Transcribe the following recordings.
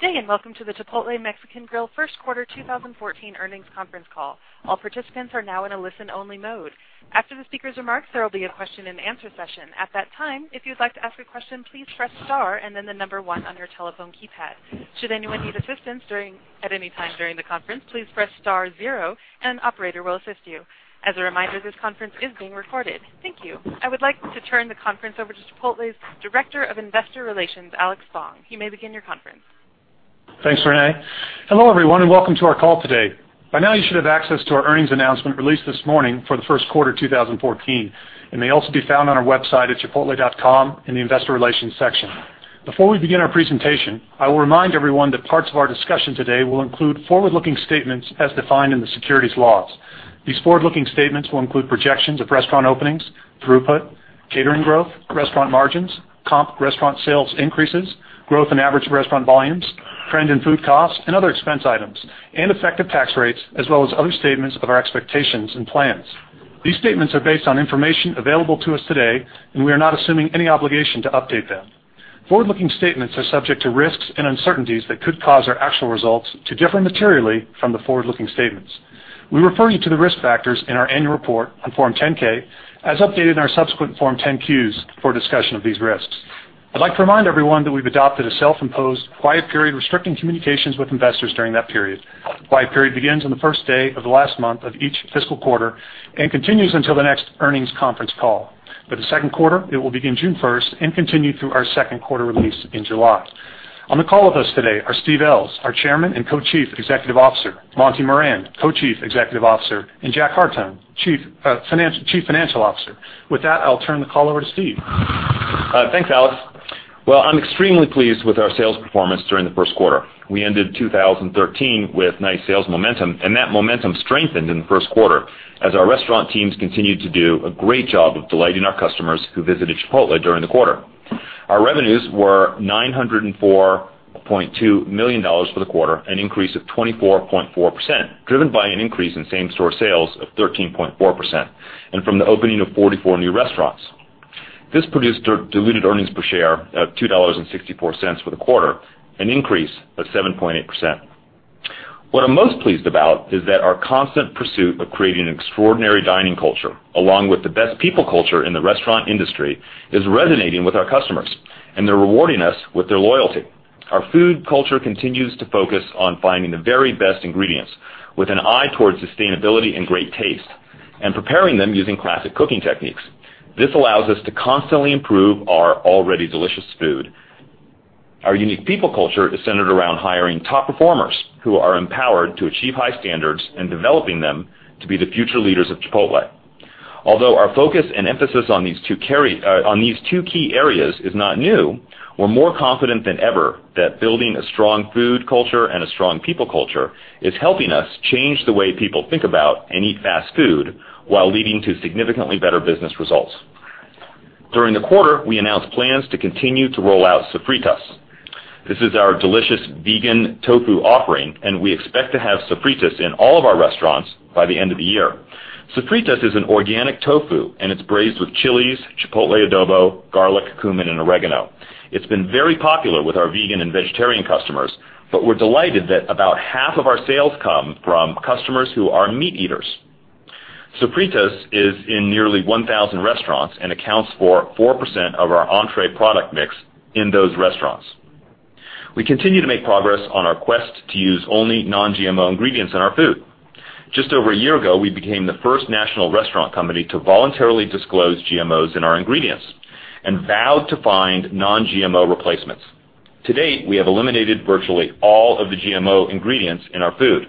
Good day. Welcome to the Chipotle Mexican Grill First Quarter 2014 earnings conference call. All participants are now in a listen-only mode. After the speaker's remarks, there will be a question and answer session. At that time, if you'd like to ask a question, please press star and then the number one on your telephone keypad. Should anyone need assistance at any time during the conference, please press star zero and an operator will assist you. As a reminder, this conference is being recorded. Thank you. I would like to turn the conference over to Chipotle's Director of Investor Relations, Alex Spong. You may begin your conference. Thanks, Renee. Hello everyone. Welcome to our call today. By now you should have access to our earnings announcement released this morning for the first quarter of 2014. It may also be found on our website at chipotle.com in the investor relations section. Before we begin our presentation, I will remind everyone that parts of our discussion today will include forward-looking statements as defined in the securities laws. These forward-looking statements will include projections of restaurant openings, throughput, catering growth, restaurant margins, comp restaurant sales increases, growth in average restaurant volumes, trend in food costs, and other expense items, and effective tax rates, as well as other statements of our expectations and plans. These statements are based on information available to us today. We are not assuming any obligation to update them. Forward-looking statements are subject to risks and uncertainties that could cause our actual results to differ materially from the forward-looking statements. We refer you to the risk factors in our annual report on Form 10-K, as updated in our subsequent Form 10-Qs for a discussion of these risks. I'd like to remind everyone that we've adopted a self-imposed quiet period restricting communications with investors during that period. The quiet period begins on the first day of the last month of each fiscal quarter and continues until the next earnings conference call. For the second quarter, it will begin June 1st and continue through our second-quarter release in July. On the call with us today are Steve Ells, our Chairman and Co-Chief Executive Officer, Monty Moran, Co-Chief Executive Officer, and Jack Hartung, Chief Financial Officer. With that, I'll turn the call over to Steve. Thanks, Alex. I'm extremely pleased with our sales performance during the first quarter. We ended 2013 with nice sales momentum. That momentum strengthened in the first quarter as our restaurant teams continued to do a great job of delighting our customers who visited Chipotle during the quarter. Our revenues were $904.2 million for the quarter, an increase of 24.4%, driven by an increase in same-store sales of 13.4% and from the opening of 44 new restaurants. This produced diluted earnings per share of $2.64 for the quarter, an increase of 7.8%. What I'm most pleased about is that our constant pursuit of creating an extraordinary dining culture, along with the best people culture in the restaurant industry, is resonating with our customers. They're rewarding us with their loyalty. Our food culture continues to focus on finding the very best ingredients, with an eye towards sustainability and great taste, and preparing them using classic cooking techniques. This allows us to constantly improve our already delicious food. Our unique people culture is centered around hiring top performers who are empowered to achieve high standards and developing them to be the future leaders of Chipotle. Although our focus and emphasis on these two key areas is not new, we're more confident than ever that building a strong food culture and a strong people culture is helping us change the way people think about and eat fast food while leading to significantly better business results. During the quarter, we announced plans to continue to roll out Sofritas. This is our delicious vegan tofu offering, and we expect to have Sofritas in all of our restaurants by the end of the year. Sofritas is an organic tofu. It's braised with chilies, chipotle adobo, garlic, cumin, and oregano. It's been very popular with our vegan and vegetarian customers. We're delighted that about half of our sales come from customers who are meat eaters. Sofritas is in nearly 1,000 restaurants and accounts for 4% of our entree product mix in those restaurants. We continue to make progress on our quest to use only non-GMO ingredients in our food. Just over a year ago, we became the first national restaurant company to voluntarily disclose GMOs in our ingredients and vowed to find non-GMO replacements. To date, we have eliminated virtually all of the GMO ingredients in our food.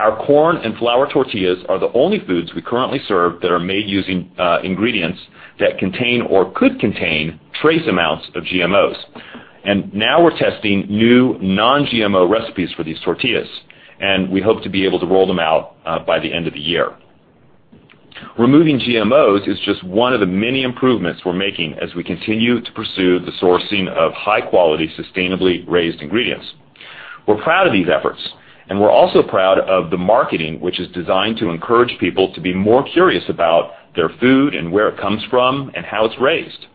Our corn and flour tortillas are the only foods we currently serve that are made using ingredients that contain or could contain trace amounts of GMOs. Now we're testing new non-GMO recipes for these tortillas. We hope to be able to roll them out by the end of the year. Removing GMOs is just one of the many improvements we're making as we continue to pursue the sourcing of high-quality, sustainably raised ingredients. We're proud of these efforts. We're also proud of the marketing, which is designed to encourage people to be more curious about their food and where it comes from and how it's raised.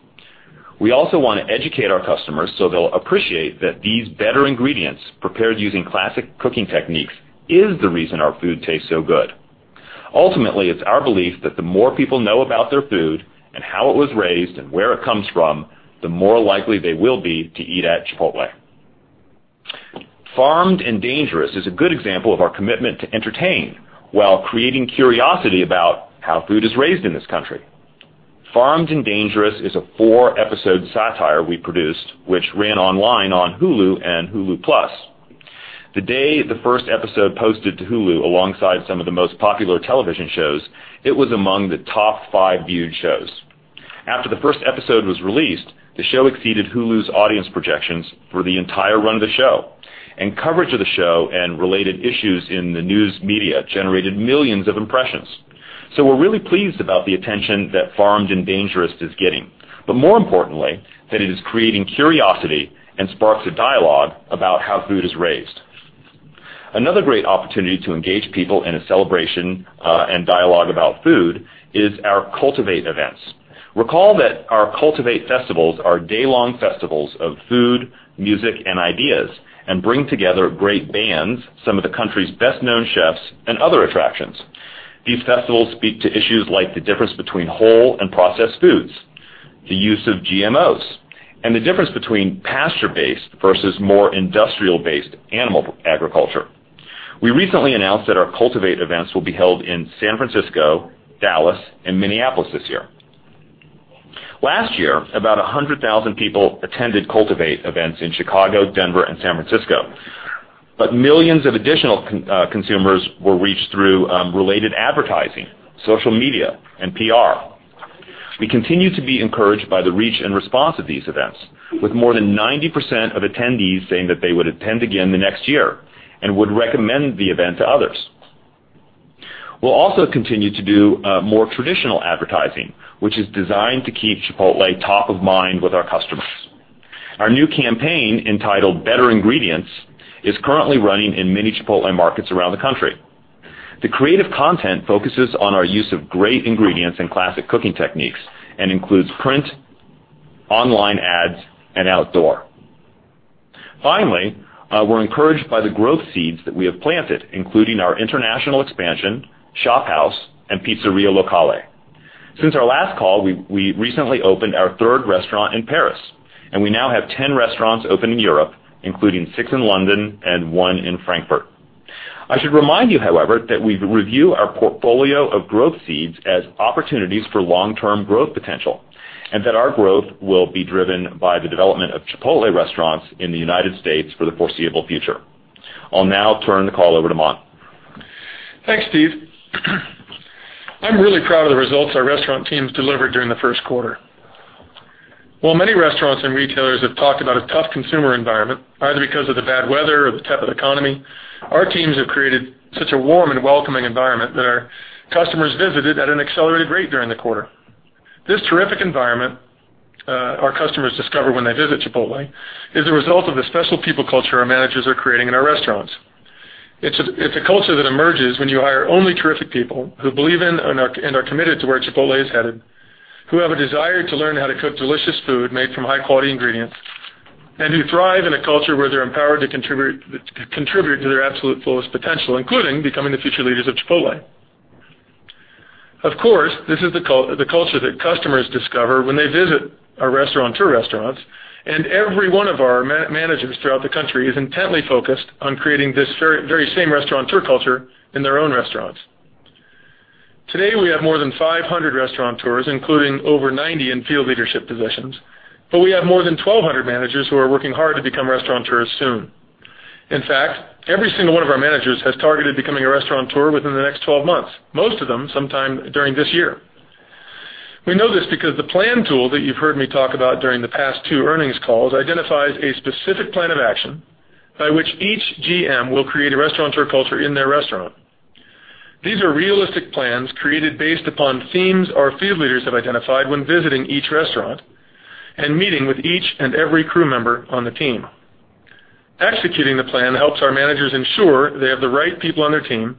We also want to educate our customers so they'll appreciate that these Better Ingredients, prepared using classic cooking techniques, is the reason our food tastes so good. Ultimately, it's our belief that the more people know about their food and how it was raised and where it comes from, the more likely they will be to eat at Chipotle. Farmed and Dangerous" is a good example of our commitment to entertain while creating curiosity about how food is raised in this country. "Farmed and Dangerous" is a four-episode satire we produced, which ran online on Hulu and Hulu Plus. The day the first episode posted to Hulu, alongside some of the most popular television shows, it was among the top five viewed shows. After the first episode was released, the show exceeded Hulu's audience projections for the entire run of the show, and coverage of the show and related issues in the news media generated millions of impressions. We're really pleased about the attention that "Farmed and Dangerous" is getting. More importantly, that it is creating curiosity and sparks a dialogue about how food is raised. Another great opportunity to engage people in a celebration and dialogue about food is our Cultivate events. Recall that our Cultivate festivals are day-long festivals of food, music, and ideas, and bring together great bands, some of the country's best-known chefs, and other attractions. These festivals speak to issues like the difference between whole and processed foods, the use of GMOs, and the difference between pasture-based versus more industrial-based animal agriculture. We recently announced that our Cultivate events will be held in San Francisco, Dallas, and Minneapolis this year. Last year, about 100,000 people attended Cultivate events in Chicago, Denver, and San Francisco, but millions of additional consumers were reached through related advertising, social media, and PR. We continue to be encouraged by the reach and response of these events, with more than 90% of attendees saying that they would attend again the next year and would recommend the event to others. We'll also continue to do more traditional advertising, which is designed to keep Chipotle top of mind with our customers. Our new campaign, entitled Better Ingredients, is currently running in many Chipotle markets around the country. The creative content focuses on our use of great ingredients and classic cooking techniques and includes print, online ads, and outdoor. Finally, we're encouraged by the growth seeds that we have planted, including our international expansion, ShopHouse, and Pizzeria Locale. Since our last call, we recently opened our third restaurant in Paris, and we now have 10 restaurants open in Europe, including six in London and one in Frankfurt. I should remind you, however, that we review our portfolio of growth seeds as opportunities for long-term growth potential, and that our growth will be driven by the development of Chipotle restaurants in the United States for the foreseeable future. I'll now turn the call over to Monty. Thanks, Steve. I'm really proud of the results our restaurant teams delivered during the first quarter. While many restaurants and retailers have talked about a tough consumer environment, either because of the bad weather or the tough economy, our teams have created such a warm and welcoming environment that our customers visited at an accelerated rate during the quarter. This terrific environment our customers discover when they visit Chipotle is a result of the special people culture our managers are creating in our restaurants. It's a culture that emerges when you hire only terrific people who believe in and are committed to where Chipotle is headed, who have a desire to learn how to cook delicious food made from high-quality ingredients, and who thrive in a culture where they're empowered to contribute to their absolute fullest potential, including becoming the future leaders of Chipotle. Of course, this is the culture that customers discover when they visit our Restaurateur restaurants, and every one of our managers throughout the country is intently focused on creating this very same Restaurateur culture in their own restaurants. Today, we have more than 500 Restaurateurs, including over 90 in field leadership positions, but we have more than 1,200 managers who are working hard to become Restaurateurs soon. In fact, every single one of our managers has targeted becoming a Restaurateur within the next 12 months, most of them sometime during this year. We know this because the PLAN tool that you've heard me talk about during the past two earnings calls identifies a specific plan of action by which each GM will create a Restaurateur culture in their restaurant. These are realistic plans created based upon themes our field leaders have identified when visiting each restaurant and meeting with each and every crew member on the team. Executing the plan helps our managers ensure they have the right people on their team,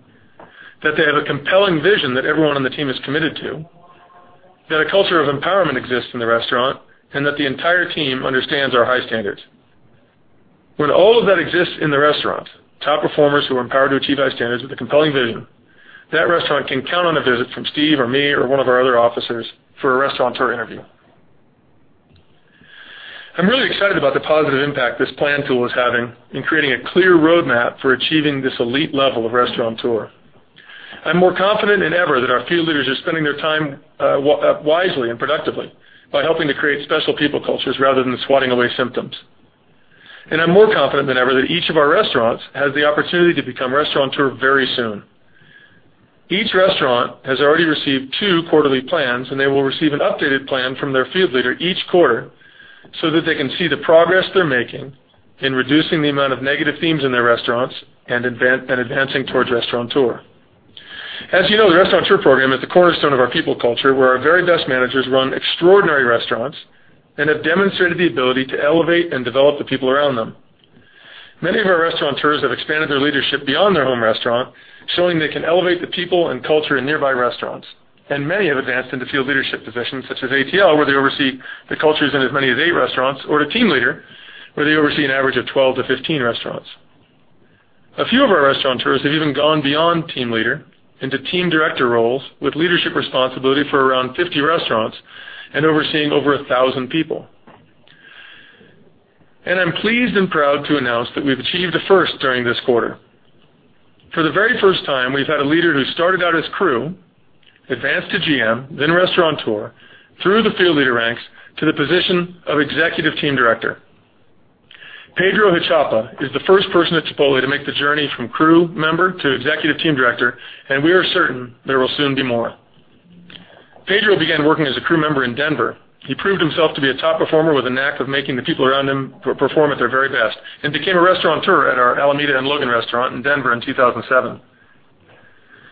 that they have a compelling vision that everyone on the team is committed to, that a culture of empowerment exists in the restaurant, and that the entire team understands our high standards. When all of that exists in the restaurant, top performers who are empowered to achieve high standards with a compelling vision, that restaurant can count on a visit from Steve or me or one of our other officers for a Restaurateur interview. I'm really excited about the positive impact this PLAN tool is having in creating a clear roadmap for achieving this elite level of Restaurateur. I'm more confident than ever that our field leaders are spending their time wisely and productively by helping to create special people cultures rather than swatting away symptoms. I'm more confident than ever that each of our restaurants has the opportunity to become Restaurateur very soon. Each restaurant has already received two quarterly plans, and they will receive an updated plan from their field leader each quarter so that they can see the progress they're making in reducing the amount of negative themes in their restaurants and advancing towards Restaurateur. As you know, the Restaurateur program is the cornerstone of our people culture, where our very best managers run extraordinary restaurants and have demonstrated the ability to elevate and develop the people around them. Many of our Restaurateurs have expanded their leadership beyond their home restaurant, showing they can elevate the people and culture in nearby restaurants. Many have advanced into field leadership positions, such as ATL, where they oversee the cultures in as many as eight restaurants, or to team leader, where they oversee an average of 12 to 15 restaurants. A few of our Restaurateurs have even gone beyond team leader into team director roles with leadership responsibility for around 50 restaurants and overseeing over 1,000 people. I'm pleased and proud to announce that we've achieved a first during this quarter. For the very first time, we've had a leader who started out as crew, advanced to GM, then Restaurateur, through the field leader ranks to the position of Executive Team Director. Pedro Huichapa is the first person at Chipotle to make the journey from crew member to Executive Team Director, and we are certain there will soon be more. Pedro began working as a crew member in Denver. He proved himself to be a top performer with a knack of making the people around him perform at their very best and became a Restaurateur at our Alameda and Logan restaurant in Denver in 2007.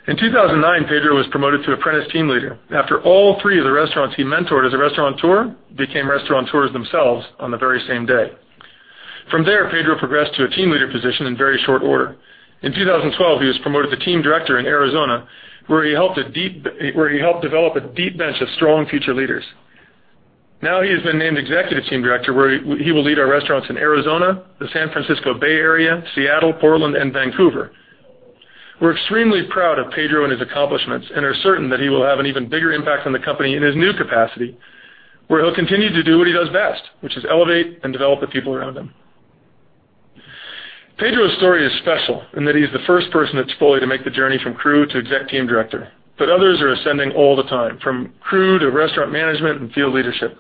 In 2009, Pedro was promoted to apprentice team leader after all three of the restaurants he mentored as a Restaurateur became Restaurateurs themselves on the very same day. From there, Pedro progressed to a team leader position in very short order. In 2012, he was promoted to team director in Arizona, where he helped develop a deep bench of strong future leaders. Now he has been named Executive Team Director, where he will lead our restaurants in Arizona, the San Francisco Bay Area, Seattle, Portland, and Vancouver. We're extremely proud of Pedro and his accomplishments and are certain that he will have an even bigger impact on the company in his new capacity, where he'll continue to do what he does best, which is elevate and develop the people around him. Pedro's story is special in that he's the first person at Chipotle to make the journey from crew to Executive Team Director, but others are ascending all the time, from crew to restaurant management and field leadership.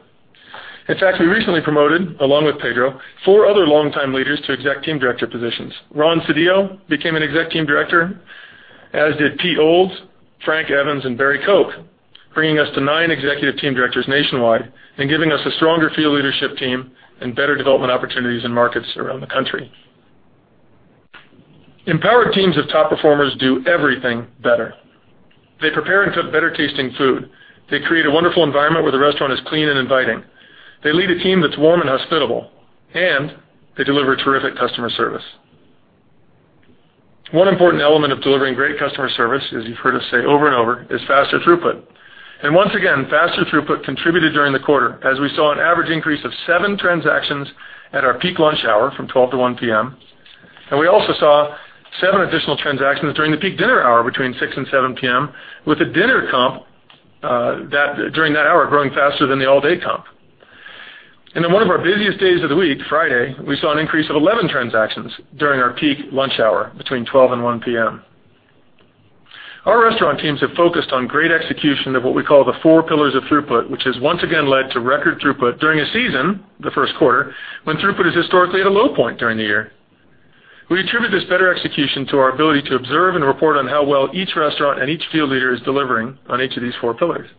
In fact, we recently promoted, along with Pedro, four other longtime leaders to Executive Team Director positions. Ron Sedillo became an Executive Team Director, as did Pete Olds, Frank Evans, and Barry Koch, bringing us to nine Executive Team Directors nationwide and giving us a stronger field leadership team and better development opportunities in markets around the country. Empowered teams of top performers do everything better. They prepare and cook better-tasting food. They create a wonderful environment where the restaurant is clean and inviting. They lead a team that's warm and hospitable. They deliver terrific customer service. One important element of delivering great customer service, as you've heard us say over and over, is faster throughput. Once again, faster throughput contributed during the quarter as we saw an average increase of seven transactions at our peak lunch hour from 12 to 1:00 P.M. We also saw seven additional transactions during the peak dinner hour between 6:00 and 7:00 P.M., with the dinner comp during that hour growing faster than the all-day comp. One of our busiest days of the week, Friday, we saw an increase of 11 transactions during our peak lunch hour between 12:00 and 1:00 P.M. Our restaurant teams have focused on great execution of what we call the four pillars of throughput, which has once again led to record throughput during a season, the first quarter, when throughput is historically at a low point during the year. We attribute this better execution to our ability to observe and report on how well each restaurant and each field leader is delivering on each of these four pillars.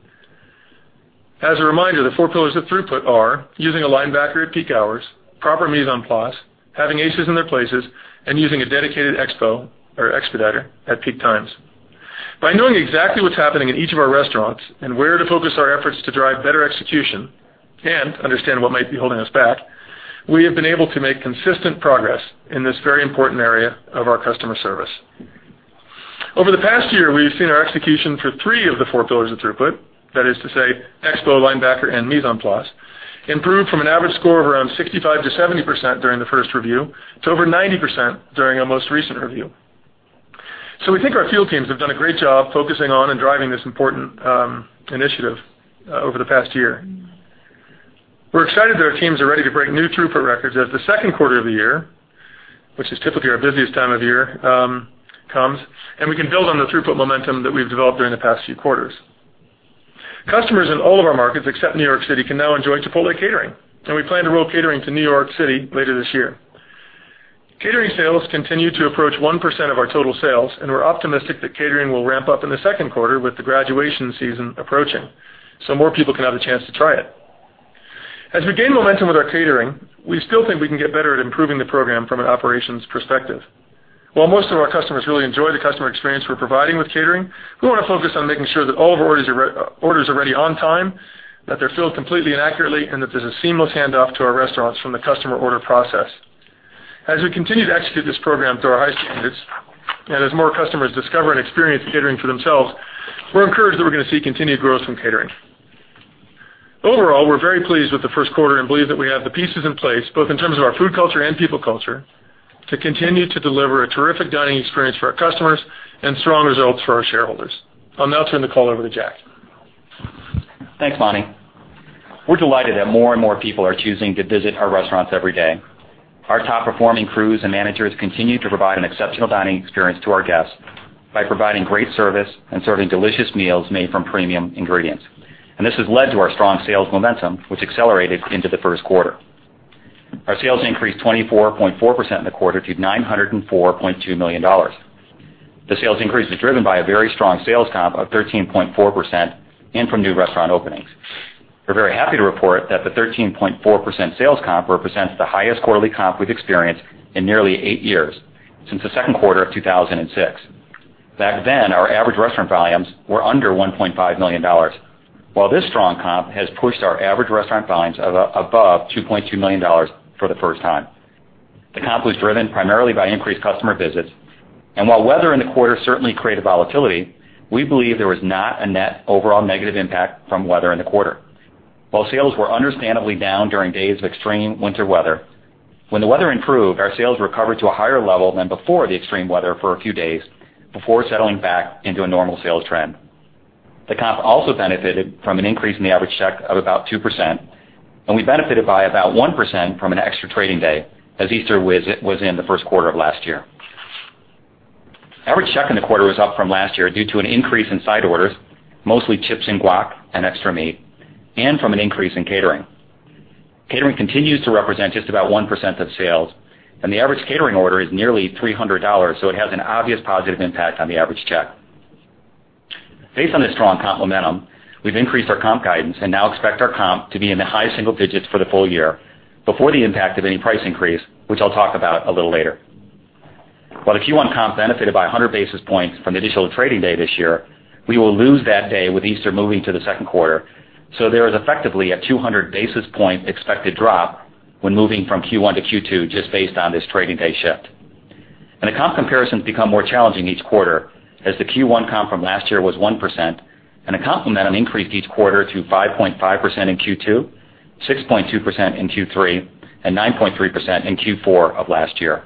As a reminder, the four pillars of throughput are using a linebacker at peak hours, proper mise en place, having aces in their places, and using a dedicated expo or expediter at peak times. By knowing exactly what's happening in each of our restaurants and where to focus our efforts to drive better execution and understand what might be holding us back, we have been able to make consistent progress in this very important area of our customer service. Over the past year, we've seen our execution for three of the four pillars of throughput, that is to say, expo, linebacker, and mise en place, improve from an average score of around 65%-70% during the first review to over 90% during our most recent review. We think our field teams have done a great job focusing on and driving this important initiative over the past year. We're excited that our teams are ready to break new throughput records as the second quarter of the year, which is typically our busiest time of year, comes. We can build on the throughput momentum that we've developed during the past few quarters. Customers in all of our markets except New York City can now enjoy Chipotle catering. We plan to roll catering to New York City later this year. Catering sales continue to approach 1% of our total sales. We're optimistic that catering will ramp up in the second quarter with the graduation season approaching so more people can have a chance to try it. As we gain momentum with our catering, we still think we can get better at improving the program from an operations perspective. While most of our customers really enjoy the customer experience we're providing with catering, we want to focus on making sure that all of our orders are ready on time, that they're filled completely and accurately, and that there's a seamless handoff to our restaurants from the customer order process. As we continue to execute this program to our high standards, as more customers discover and experience catering for themselves, we're encouraged that we're going to see continued growth from catering. Overall, we're very pleased with the first quarter and believe that we have the pieces in place, both in terms of our food culture and people culture, to continue to deliver a terrific dining experience for our customers and strong results for our shareholders. I'll now turn the call over to Jack. Thanks, Monty. We're delighted that more and more people are choosing to visit our restaurants every day. Our top-performing crews and managers continue to provide an exceptional dining experience to our guests by providing great service and serving delicious meals made from premium ingredients. This has led to our strong sales momentum, which accelerated into the first quarter. Our sales increased 24.4% in the quarter to $904.2 million. The sales increase was driven by a very strong sales comp of 13.4% and from new restaurant openings. We're very happy to report that the 13.4% sales comp represents the highest quarterly comp we've experienced in nearly eight years, since the second quarter of 2006. Back then, our average restaurant volumes were under $1.5 million, while this strong comp has pushed our average restaurant volumes above $2.2 million for the first time. The comp was driven primarily by increased customer visits. While weather in the quarter certainly created volatility, we believe there was not a net overall negative impact from weather in the quarter. While sales were understandably down during days of extreme winter weather, when the weather improved, our sales recovered to a higher level than before the extreme weather for a few days before settling back into a normal sales trend. The comp also benefited from an increase in the average check of about 2%, and we benefited by about 1% from an extra trading day, as Easter was in the first quarter of last year. Average check in the quarter was up from last year due to an increase in side orders, mostly chips and guac and extra meat, and from an increase in catering. Catering continues to represent just about 1% of sales, and the average catering order is nearly $300. It has an obvious positive impact on the average check. Based on this strong comp momentum, we've increased our comp guidance and now expect our comp to be in the high single digits for the full year before the impact of any price increase, which I'll talk about a little later. While the Q1 comp benefited by 100 basis points from the additional trading day this year, we will lose that day with Easter moving to the second quarter. There is effectively a 200 basis point expected drop when moving from Q1 to Q2 just based on this trading day shift. The comp comparisons become more challenging each quarter, as the Q1 comp from last year was 1%, and the comp momentum increased each quarter to 5.5% in Q2, 6.2% in Q3, and 9.3% in Q4 of last year.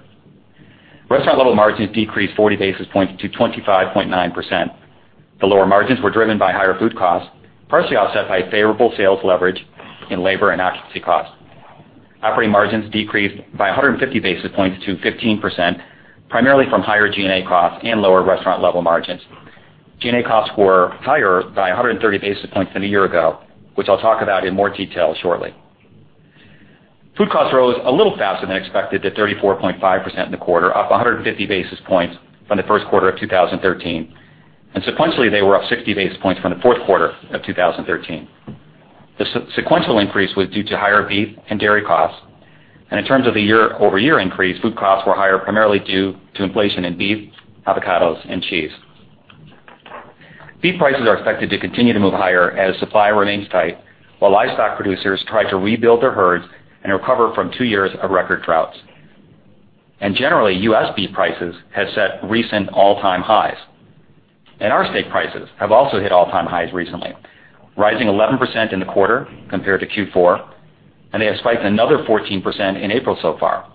Restaurant level margins decreased 40 basis points to 25.9%. The lower margins were driven by higher food costs, partially offset by favorable sales leverage in labor and occupancy costs. Operating margins decreased by 150 basis points to 15%, primarily from higher G&A costs and lower restaurant level margins. G&A costs were higher by 130 basis points than a year ago, which I'll talk about in more detail shortly. Food costs rose a little faster than expected at 34.5% in the quarter, up 150 basis points from the first quarter of 2013. Sequentially, they were up 60 basis points from the fourth quarter of 2013. The sequential increase was due to higher beef and dairy costs. In terms of the year-over-year increase, food costs were higher primarily due to inflation in beef, avocados, and cheese. Beef prices are expected to continue to move higher as supply remains tight while livestock producers try to rebuild their herds and recover from two years of record droughts. Generally, U.S. beef prices have set recent all-time highs. Our steak prices have also hit all-time highs recently, rising 11% in the quarter compared to Q4, and they have spiked another 14% in April so far.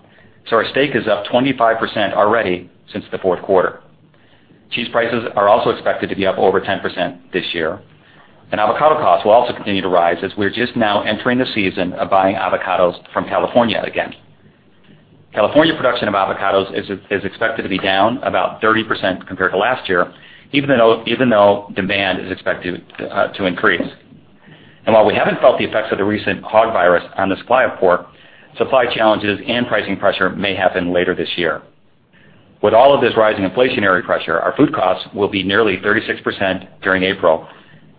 Our steak is up 25% already since the fourth quarter. Cheese prices are also expected to be up over 10% this year, and avocado costs will also continue to rise as we're just now entering the season of buying avocados from California again. California production of avocados is expected to be down about 30% compared to last year, even though demand is expected to increase. While we haven't felt the effects of the recent hog virus on the supply of pork, supply challenges and pricing pressure may happen later this year. With all of this rising inflationary pressure, our food costs will be nearly 36% during April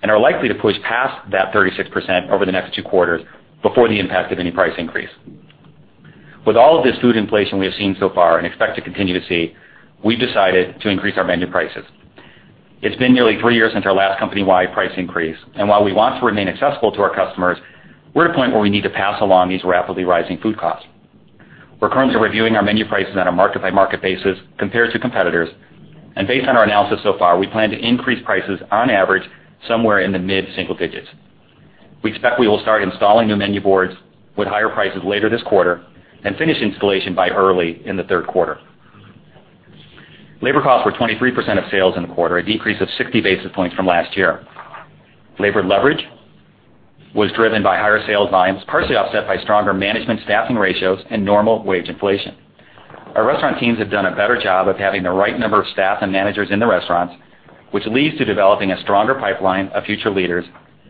and are likely to push past that 36% over the next two quarters before the impact of any price increase. With all of this food inflation we have seen so far and expect to continue to see, we've decided to increase our menu prices. It's been nearly three years since our last company-wide price increase, and while we want to remain accessible to our customers, we're at a point where we need to pass along these rapidly rising food costs. We're currently reviewing our menu prices on a market-by-market basis compared to competitors. Based on our analysis so far, we plan to increase prices on average somewhere in the mid-single digits. We expect we will start installing new menu boards with higher prices later this quarter and finish installation by early in the third quarter. Labor costs were 23% of sales in the quarter, a decrease of 60 basis points from last year. Labor leverage was driven by higher sales volumes, partially offset by stronger management staffing ratios and normal wage inflation. Our restaurant teams have done a better job of having the right number of staff and managers in the restaurants, which leads to developing a stronger pipeline of future leaders,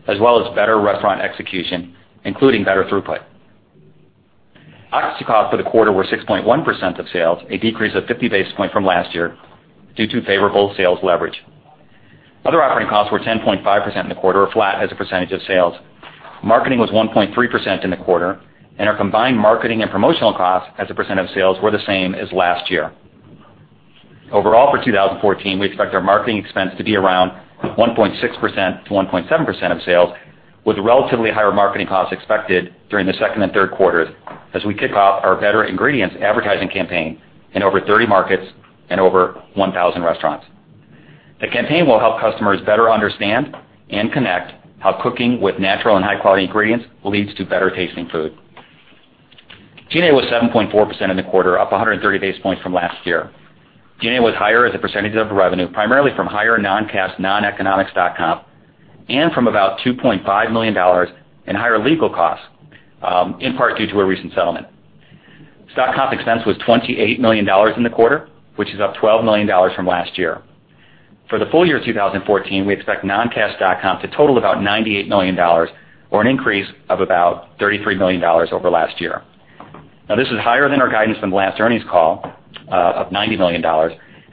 as well as better restaurant execution, including better throughput. Occupancy costs for the quarter were 6.1% of sales, a decrease of 50 basis points from last year due to favorable sales leverage. Other operating costs were 10.5% in the quarter, or flat as a percentage of sales. Marketing was 1.3% in the quarter, and our combined marketing and promotional costs as a percent of sales were the same as last year. Overall, for 2014, we expect our marketing expense to be around 1.6%-1.7% of sales, with relatively higher marketing costs expected during the second and third quarters as we kick off our Better Ingredients advertising campaign in over 30 markets and over 1,000 restaurants. The campaign will help customers better understand and connect how cooking with natural and high-quality ingredients leads to better-tasting food. G&A was 7.4% in the quarter, up 130 basis points from last year. G&A was higher as a percentage of revenue, primarily from higher non-cash, non-economic stock comp and from about $2.5 million in higher legal costs, in part due to a recent settlement. Stock comp expense was $28 million in the quarter, which is up $12 million from last year. For the full year 2014, we expect non-cash stock comp to total about $98 million, or an increase of about $33 million over last year. This is higher than our guidance from the last earnings call of $90 million,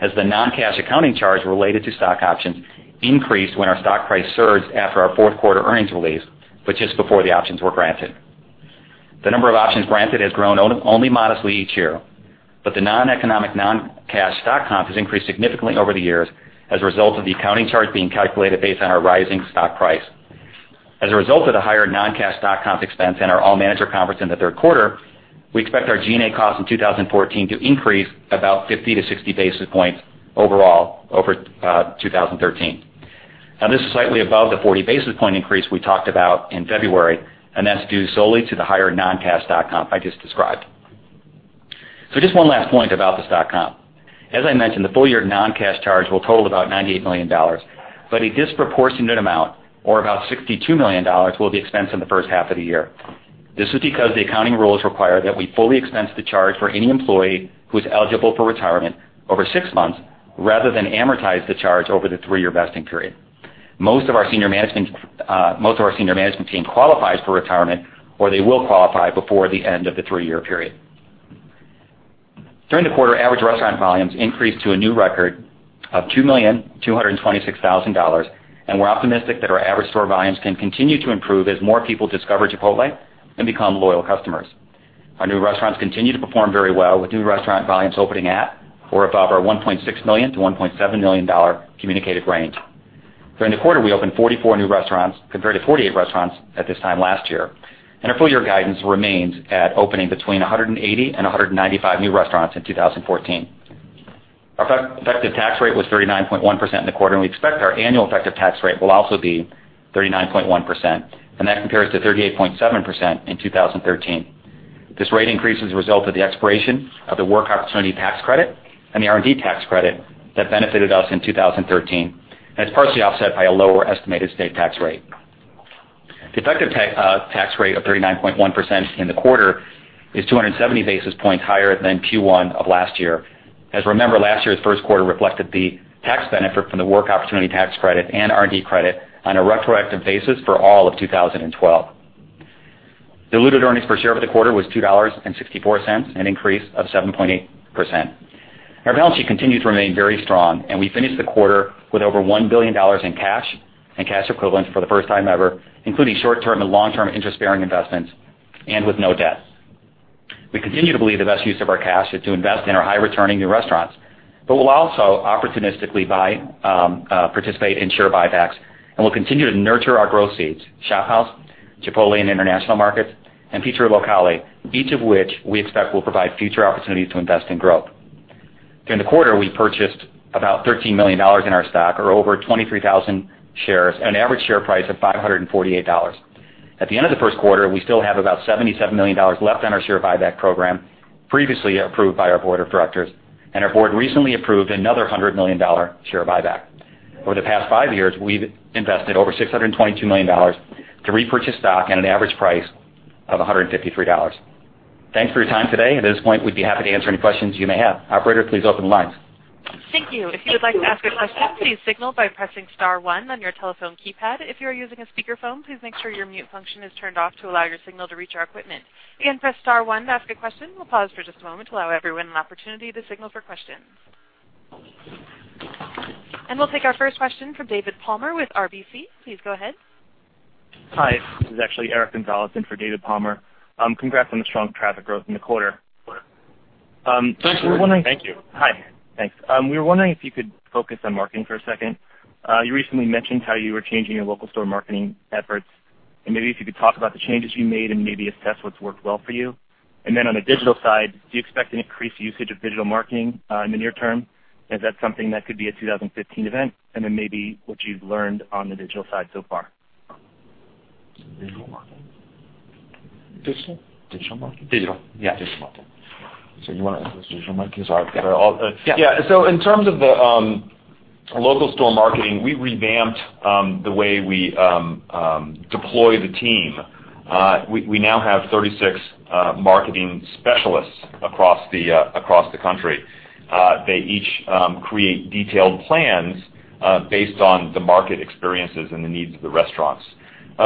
as the non-cash accounting charge related to stock options increased when our stock price surged after our fourth quarter earnings release, but just before the options were granted. The number of options granted has grown only modestly each year, but the non-economic, non-cash stock comp has increased significantly over the years as a result of the accounting charge being calculated based on our rising stock price. As a result of the higher non-cash stock comp expense and our all manager conference in the third quarter, we expect our G&A cost in 2014 to increase about 50 to 60 basis points overall over 2013. This is slightly above the 40 basis point increase we talked about in February, and that's due solely to the higher non-cash stock comp I just described. Just one last point about the stock comp. As I mentioned, the full-year non-cash charge will total about $98 million, but a disproportionate amount, or about $62 million, will be expensed in the first half of the year. This is because the accounting rules require that we fully expense the charge for any employee who is eligible for retirement over six months rather than amortize the charge over the three-year vesting period. Most of our senior management team qualifies for retirement, or they will qualify before the end of the three-year period. During the quarter, average restaurant volumes increased to a new record of $2,226,000, and we're optimistic that our average store volumes can continue to improve as more people discover Chipotle and become loyal customers. Our new restaurants continue to perform very well, with new restaurant volumes opening at or above our $1.6 million-$1.7 million communicated range. During the quarter, we opened 44 new restaurants compared to 48 restaurants at this time last year, and our full-year guidance remains at opening between 180 and 195 new restaurants in 2014. Our effective tax rate was 39.1% in the quarter, and we expect our annual effective tax rate will also be 39.1%, and that compares to 38.7% in 2013. This rate increase is a result of the expiration of the Work Opportunity Tax Credit and the R&D tax credit that benefited us in 2013, and it's partially offset by a lower estimated state tax rate. The effective tax rate of 39.1% in the quarter is 270 basis points higher than Q1 of last year. As remember, last year's first quarter reflected the tax benefit from the Work Opportunity Tax Credit and R&D credit on a retroactive basis for all of 2012. Diluted earnings per share for the quarter was $2.64, an increase of 7.8%. Our balance sheet continues to remain very strong, and we finished the quarter with over $1 billion in cash and cash equivalents for the first time ever, including short-term and long-term interest-bearing investments and with no debt. We continue to believe the best use of our cash is to invest in our high-returning new restaurants, but we'll also opportunistically participate in share buybacks, and we'll continue to nurture our growth seeds, ShopHouse, Chipotle in International Markets, and Pizzeria Locale, each of which we expect will provide future opportunities to invest in growth. During the quarter, we purchased about $13 million in our stock, or over 23,000 shares at an average share price of $548. At the end of the first quarter, we still have about $77 million left on our share buyback program, previously approved by our board of directors, and our board recently approved another $100 million share buyback. Over the past five years, we've invested over $622 million to repurchase stock at an average price of $153. Thanks for your time today. At this point, we'd be happy to answer any questions you may have. Operator, please open the lines. Thank you. If you would like to ask a question, please signal by pressing *1 on your telephone keypad. If you are using a speakerphone, please make sure your mute function is turned off to allow your signal to reach our equipment. Again, press *1 to ask a question. We'll pause for just a moment to allow everyone an opportunity to signal for questions. We'll take our first question from David Palmer with RBC. Please go ahead. Hi, this is actually Eric Gonzalez in for David Palmer. Congrats on the strong traffic growth in the quarter. Thank you. Hi, thanks. We were wondering if you could focus on marketing for a second. You recently mentioned how you were changing your local store marketing efforts, and maybe if you could talk about the changes you made and maybe assess what's worked well for you. On the digital side, do you expect an increased usage of digital marketing in the near term? Is that something that could be a 2015 event, and then maybe what you've learned on the digital side so far? Digital marketing? Digital? Digital marketing? Digital, yeah. Digital marketing. You want to answer digital marketing? Yeah. In terms of the local store marketing, we revamped the way we deploy the team. We now have 36 marketing specialists across the country. They each create detailed plans based on the market experiences and the needs of the restaurants.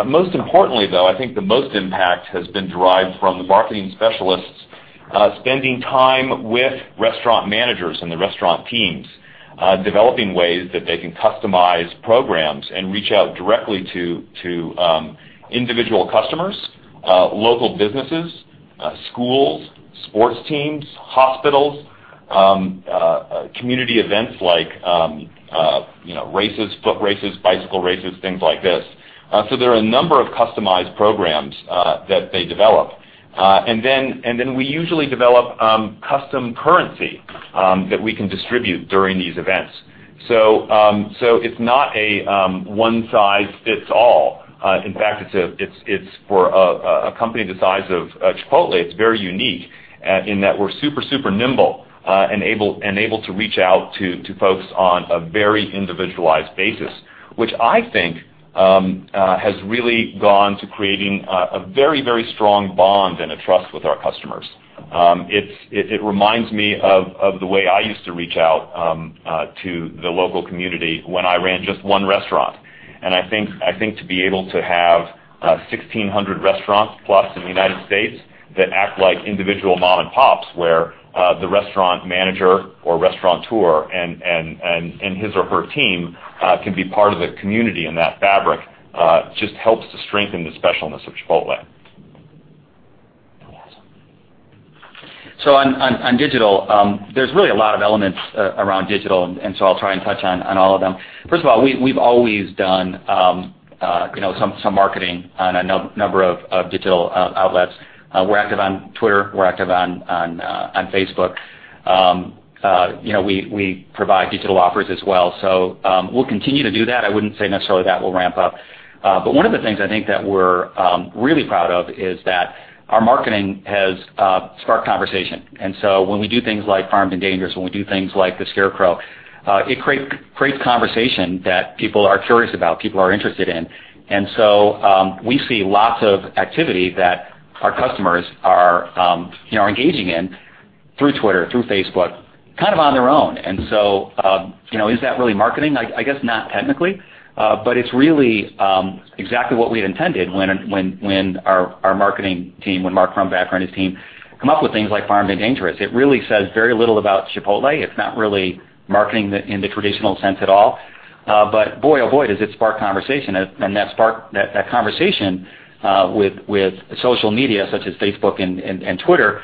Most importantly, though, I think the most impact has been derived from the marketing specialists spending time with restaurant managers and the restaurant teams, developing ways that they can customize programs and reach out directly to individual customers, local businesses, schools, sports teams, hospitals, community events like foot races, bicycle races, things like this. There are a number of customized programs that they develop. Then we usually develop custom currency that we can distribute during these events. It's not a one-size-fits-all. In fact, for a company the size of Chipotle, it's very unique in that we're super nimble and able to reach out to folks on a very individualized basis, which I think has really gone to creating a very, very strong bond and a trust with our customers. It reminds me of the way I used to reach out to the local community when I ran just one restaurant. I think to be able to have 1,600 restaurants plus in the United States that act like individual mom and pops, where the restaurant manager or restaurateur and his or her team can be part of the community, and that fabric just helps to strengthen the specialness of Chipotle. On digital, there's really a lot of elements around digital. I'll try and touch on all of them. First of all, we've always done some marketing on a number of digital outlets. We're active on Twitter, we're active on Facebook. We provide digital offers as well. We'll continue to do that. I wouldn't say necessarily that will ramp up. One of the things I think that we're really proud of is that our marketing has sparked conversation. When we do things like Farmed and Dangerous, when we do things like the Scarecrow, it creates conversation that people are curious about, people are interested in. We see lots of activity that our customers are engaging in through Twitter, through Facebook kind of on their own. Is that really marketing? I guess not technically, it's really exactly what we had intended when our marketing team, when Mark Crumpacker and his team, come up with things like Farmed and Dangerous. It really says very little about Chipotle. It's not really marketing in the traditional sense at all. Boy, oh boy, does it spark conversation. That spark, that conversation, with social media such as Facebook and Twitter,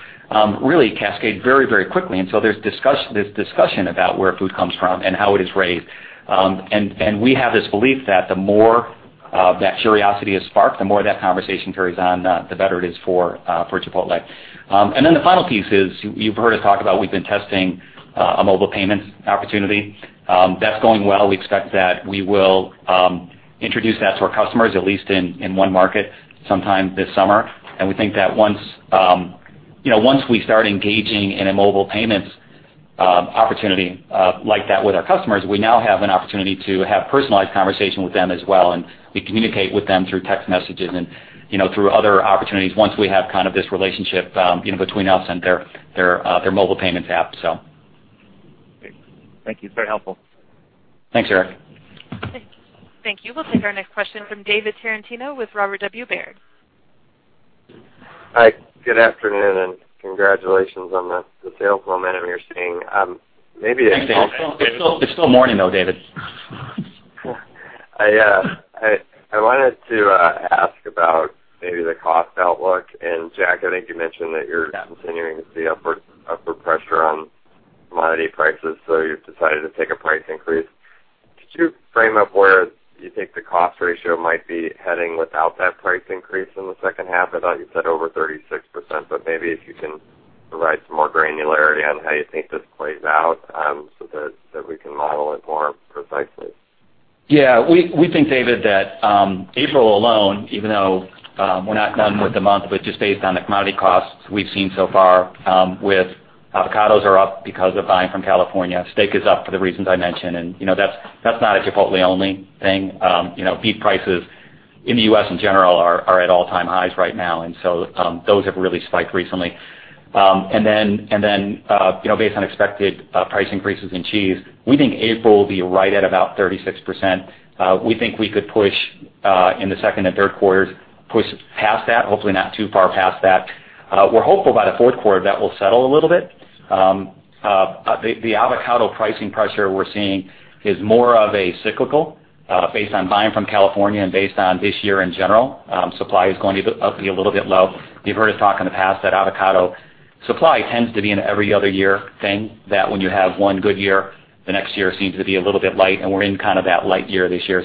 really cascade very, very quickly. There's discussion about where food comes from and how it is raised. We have this belief that the more that curiosity is sparked, the more that conversation carries on, the better it is for Chipotle. The final piece is, you've heard us talk about we've been testing a mobile payments opportunity. That's going well. We expect that we will introduce that to our customers, at least in one market, sometime this summer. We think that once we start engaging in a mobile payments opportunity like that with our customers, we now have an opportunity to have personalized conversation with them as well. We communicate with them through text messages and through other opportunities once we have this relationship between us and their mobile payments app. Great. Thank you. It's very helpful. Thanks, Eric. Thank you. We'll take our next question from David Tarantino with Robert W. Baird. Hi, good afternoon. Congratulations on the sales momentum you're seeing. Thanks, David. It's still morning, though, David. I wanted to ask about maybe the cost outlook. Jack, I think you mentioned that you're continuing to see upward pressure on commodity prices, so you've decided to take a price increase. Could you frame up where you think the cost ratio might be heading without that price increase in the second half? I thought you said over 36%, but maybe if you can provide some more granularity on how you think this plays out, so that we can model it more precisely. We think, David, that April alone, even though we're not done with the month, but just based on the commodity costs we've seen so far, with avocados are up because of buying from California, steak is up for the reasons I mentioned, that's not a Chipotle-only thing. Beef prices in the U.S. in general are at all-time highs right now, those have really spiked recently. Based on expected price increases in cheese, we think April will be right at about 36%. We think we could push in the second and third quarters, push past that, hopefully, not too far past that. We're hopeful by the fourth quarter that will settle a little bit. The avocado pricing pressure we're seeing is more of a cyclical based on buying from California and based on this year in general. Supply is going to be a little bit low. You've heard us talk in the past that avocado supply tends to be an every other year thing, that when you have one good year, the next year seems to be a little bit light, and we're in that light year this year.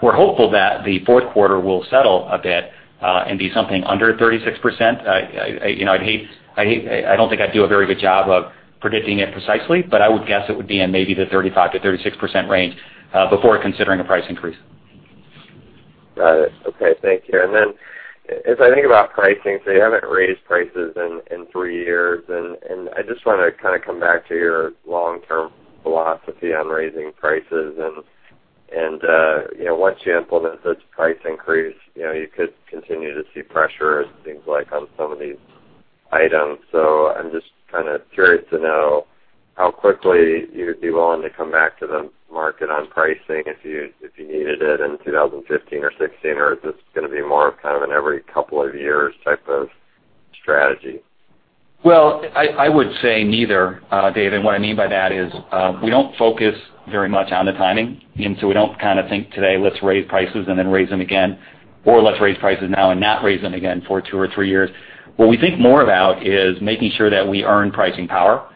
We're hopeful that the fourth quarter will settle a bit, and be something under 36%. I don't think I'd do a very good job of predicting it precisely, but I would guess it would be in maybe the 35%-36% range, before considering a price increase. Got it. Okay, thank you. As I think about pricing, you haven't raised prices in three years, I just want to come back to your long-term philosophy on raising prices, once you implement this price increase, you could continue to see pressures and things like on some of these items. I'm just curious to know how quickly you would be willing to come back to the market on pricing if you needed it in 2015 or 2016, or is this going to be more of an every couple of years type of strategy? Well, I would say neither, David. What I mean by that is we don't focus very much on the timing. We don't think today, let's raise prices and then raise them again, or let's raise prices now and not raise them again for two or three years. What we think more about is making sure that we earn pricing power.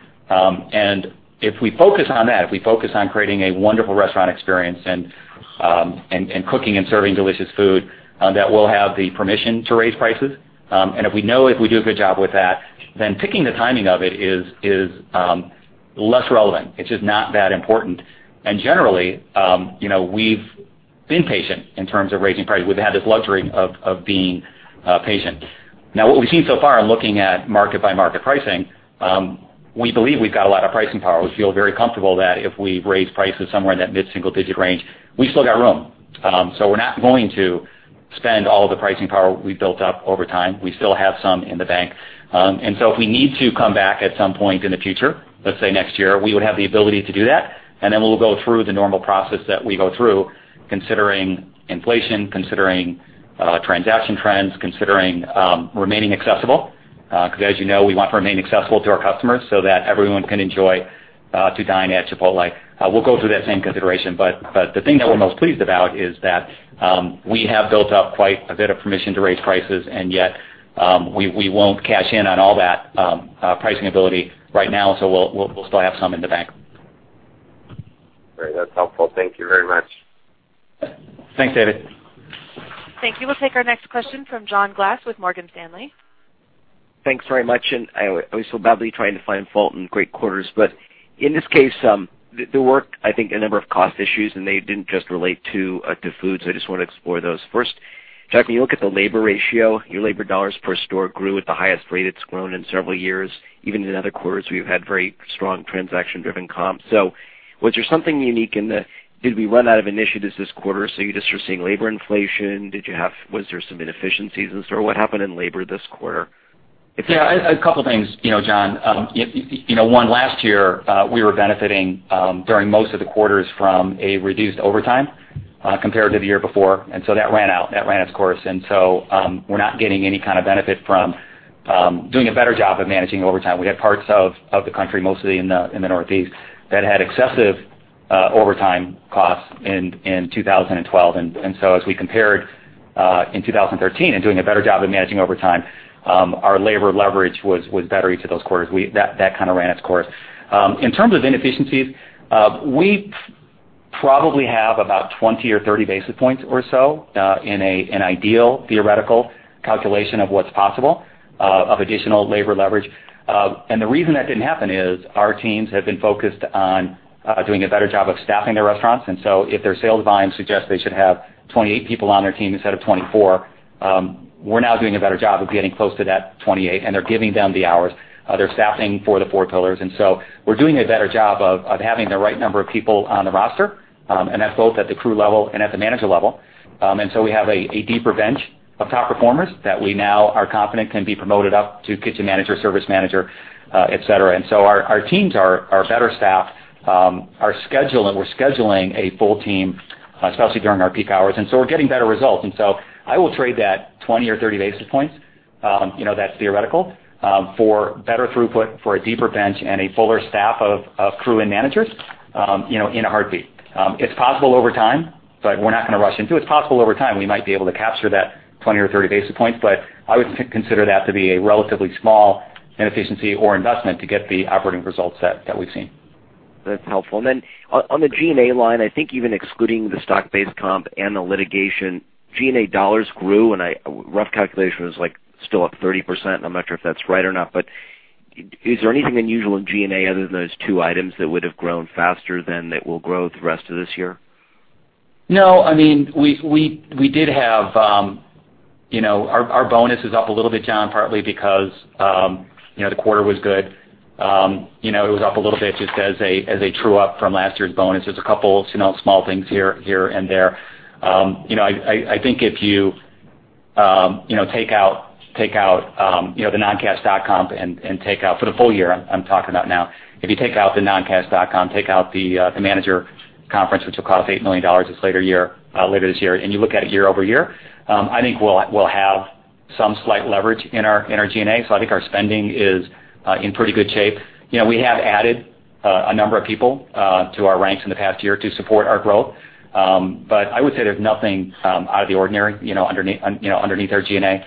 If we focus on that, if we focus on creating a wonderful restaurant experience and cooking and serving delicious food, that we'll have the permission to raise prices. If we know if we do a good job with that, then picking the timing of it is less relevant. It's just not that important. Generally, we've been patient in terms of raising prices. We've had this luxury of being patient. Now, what we've seen so far in looking at market-by-market pricing, we believe we've got a lot of pricing power. We feel very comfortable that if we raise prices somewhere in that mid-single digit range, we've still got room. We're not going to spend all of the pricing power we've built up over time. We still have some in the bank. If we need to come back at some point in the future, let's say next year, we would have the ability to do that, then we'll go through the normal process that we go through, considering inflation, considering transaction trends, considering remaining accessible, because as you know, we want to remain accessible to our customers so that everyone can enjoy to dine at Chipotle. We'll go through that same consideration. The thing that we're most pleased about is that we have built up quite a bit of permission to raise prices, and yet, we won't cash in on all that pricing ability right now, so we'll still have some in the bank. Great. That's helpful. Thank you very much. Thanks, David. Thank you. We'll take our next question from John Glass with Morgan Stanley. Thanks very much. I was so badly trying to find fault in great quarters, but in this case, there were, I think, a number of cost issues, and they didn't just relate to foods. I just want to explore those. First, Jack, when you look at the labor ratio, your labor dollars per store grew at the highest rate it's grown in several years. Even in other quarters, we've had very strong transaction-driven comps. Was there something unique? Did we run out of initiatives this quarter, so you just are seeing labor inflation? Was there some inefficiencies in store? What happened in labor this quarter? Yeah. A couple things, John. One, last year, we were benefiting during most of the quarters from a reduced overtime compared to the year before. That ran out. That ran its course. We're not getting any kind of benefit from doing a better job of managing overtime. We had parts of the country, mostly in the Northeast, that had excessive overtime costs in 2012. As we compared in 2013 and doing a better job of managing overtime, our labor leverage was better each of those quarters. That kind of ran its course. In terms of inefficiencies, we probably have about 20 or 30 basis points or so in an ideal theoretical calculation of what's possible of additional labor leverage. The reason that didn't happen is our teams have been focused on doing a better job of staffing their restaurants. If their sales volume suggests they should have 28 people on their team instead of 24, we're now doing a better job of getting close to that 28, and they're giving them the hours. They're staffing for the four pillars. We're doing a better job of having the right number of people on the roster, and that's both at the crew level and at the manager level. We have a deeper bench of top performers that we now are confident can be promoted up to kitchen manager, service manager, et cetera. Our teams are better staffed. Our schedule, and we're scheduling a full team, especially during our peak hours. We're getting better results. I will trade that 20 or 30 basis points, that's theoretical, for better throughput, for a deeper bench and a fuller staff of crew and managers, in a heartbeat. It's possible over time, but we're not going to rush into it. It's possible over time, we might be able to capture that 20 or 30 basis points, but I would consider that to be a relatively small inefficiency or investment to get the operating results that we've seen. That's helpful. On the G&A line, I think even excluding the stock-based comp and the litigation, G&A dollars grew, and a rough calculation was like still up 30%, I'm not sure if that's right or not. Is there anything unusual in G&A other than those two items that would have grown faster than it will grow the rest of this year? No. Our bonus is up a little bit, John, partly because the quarter was good. It was up a little bit just as a true up from last year's bonus. There's a couple small things here and there. I think if you take out the non-cash stock comp and take out for the full year, I'm talking about now, if you take out the non-cash stock comp, take out the manager conference, which will cost $8 million later this year, and you look at it year-over-year, I think we'll have some slight leverage in our G&A. I think our spending is in pretty good shape. We have added a number of people to our ranks in the past year to support our growth. I would say there's nothing out of the ordinary underneath our G&A.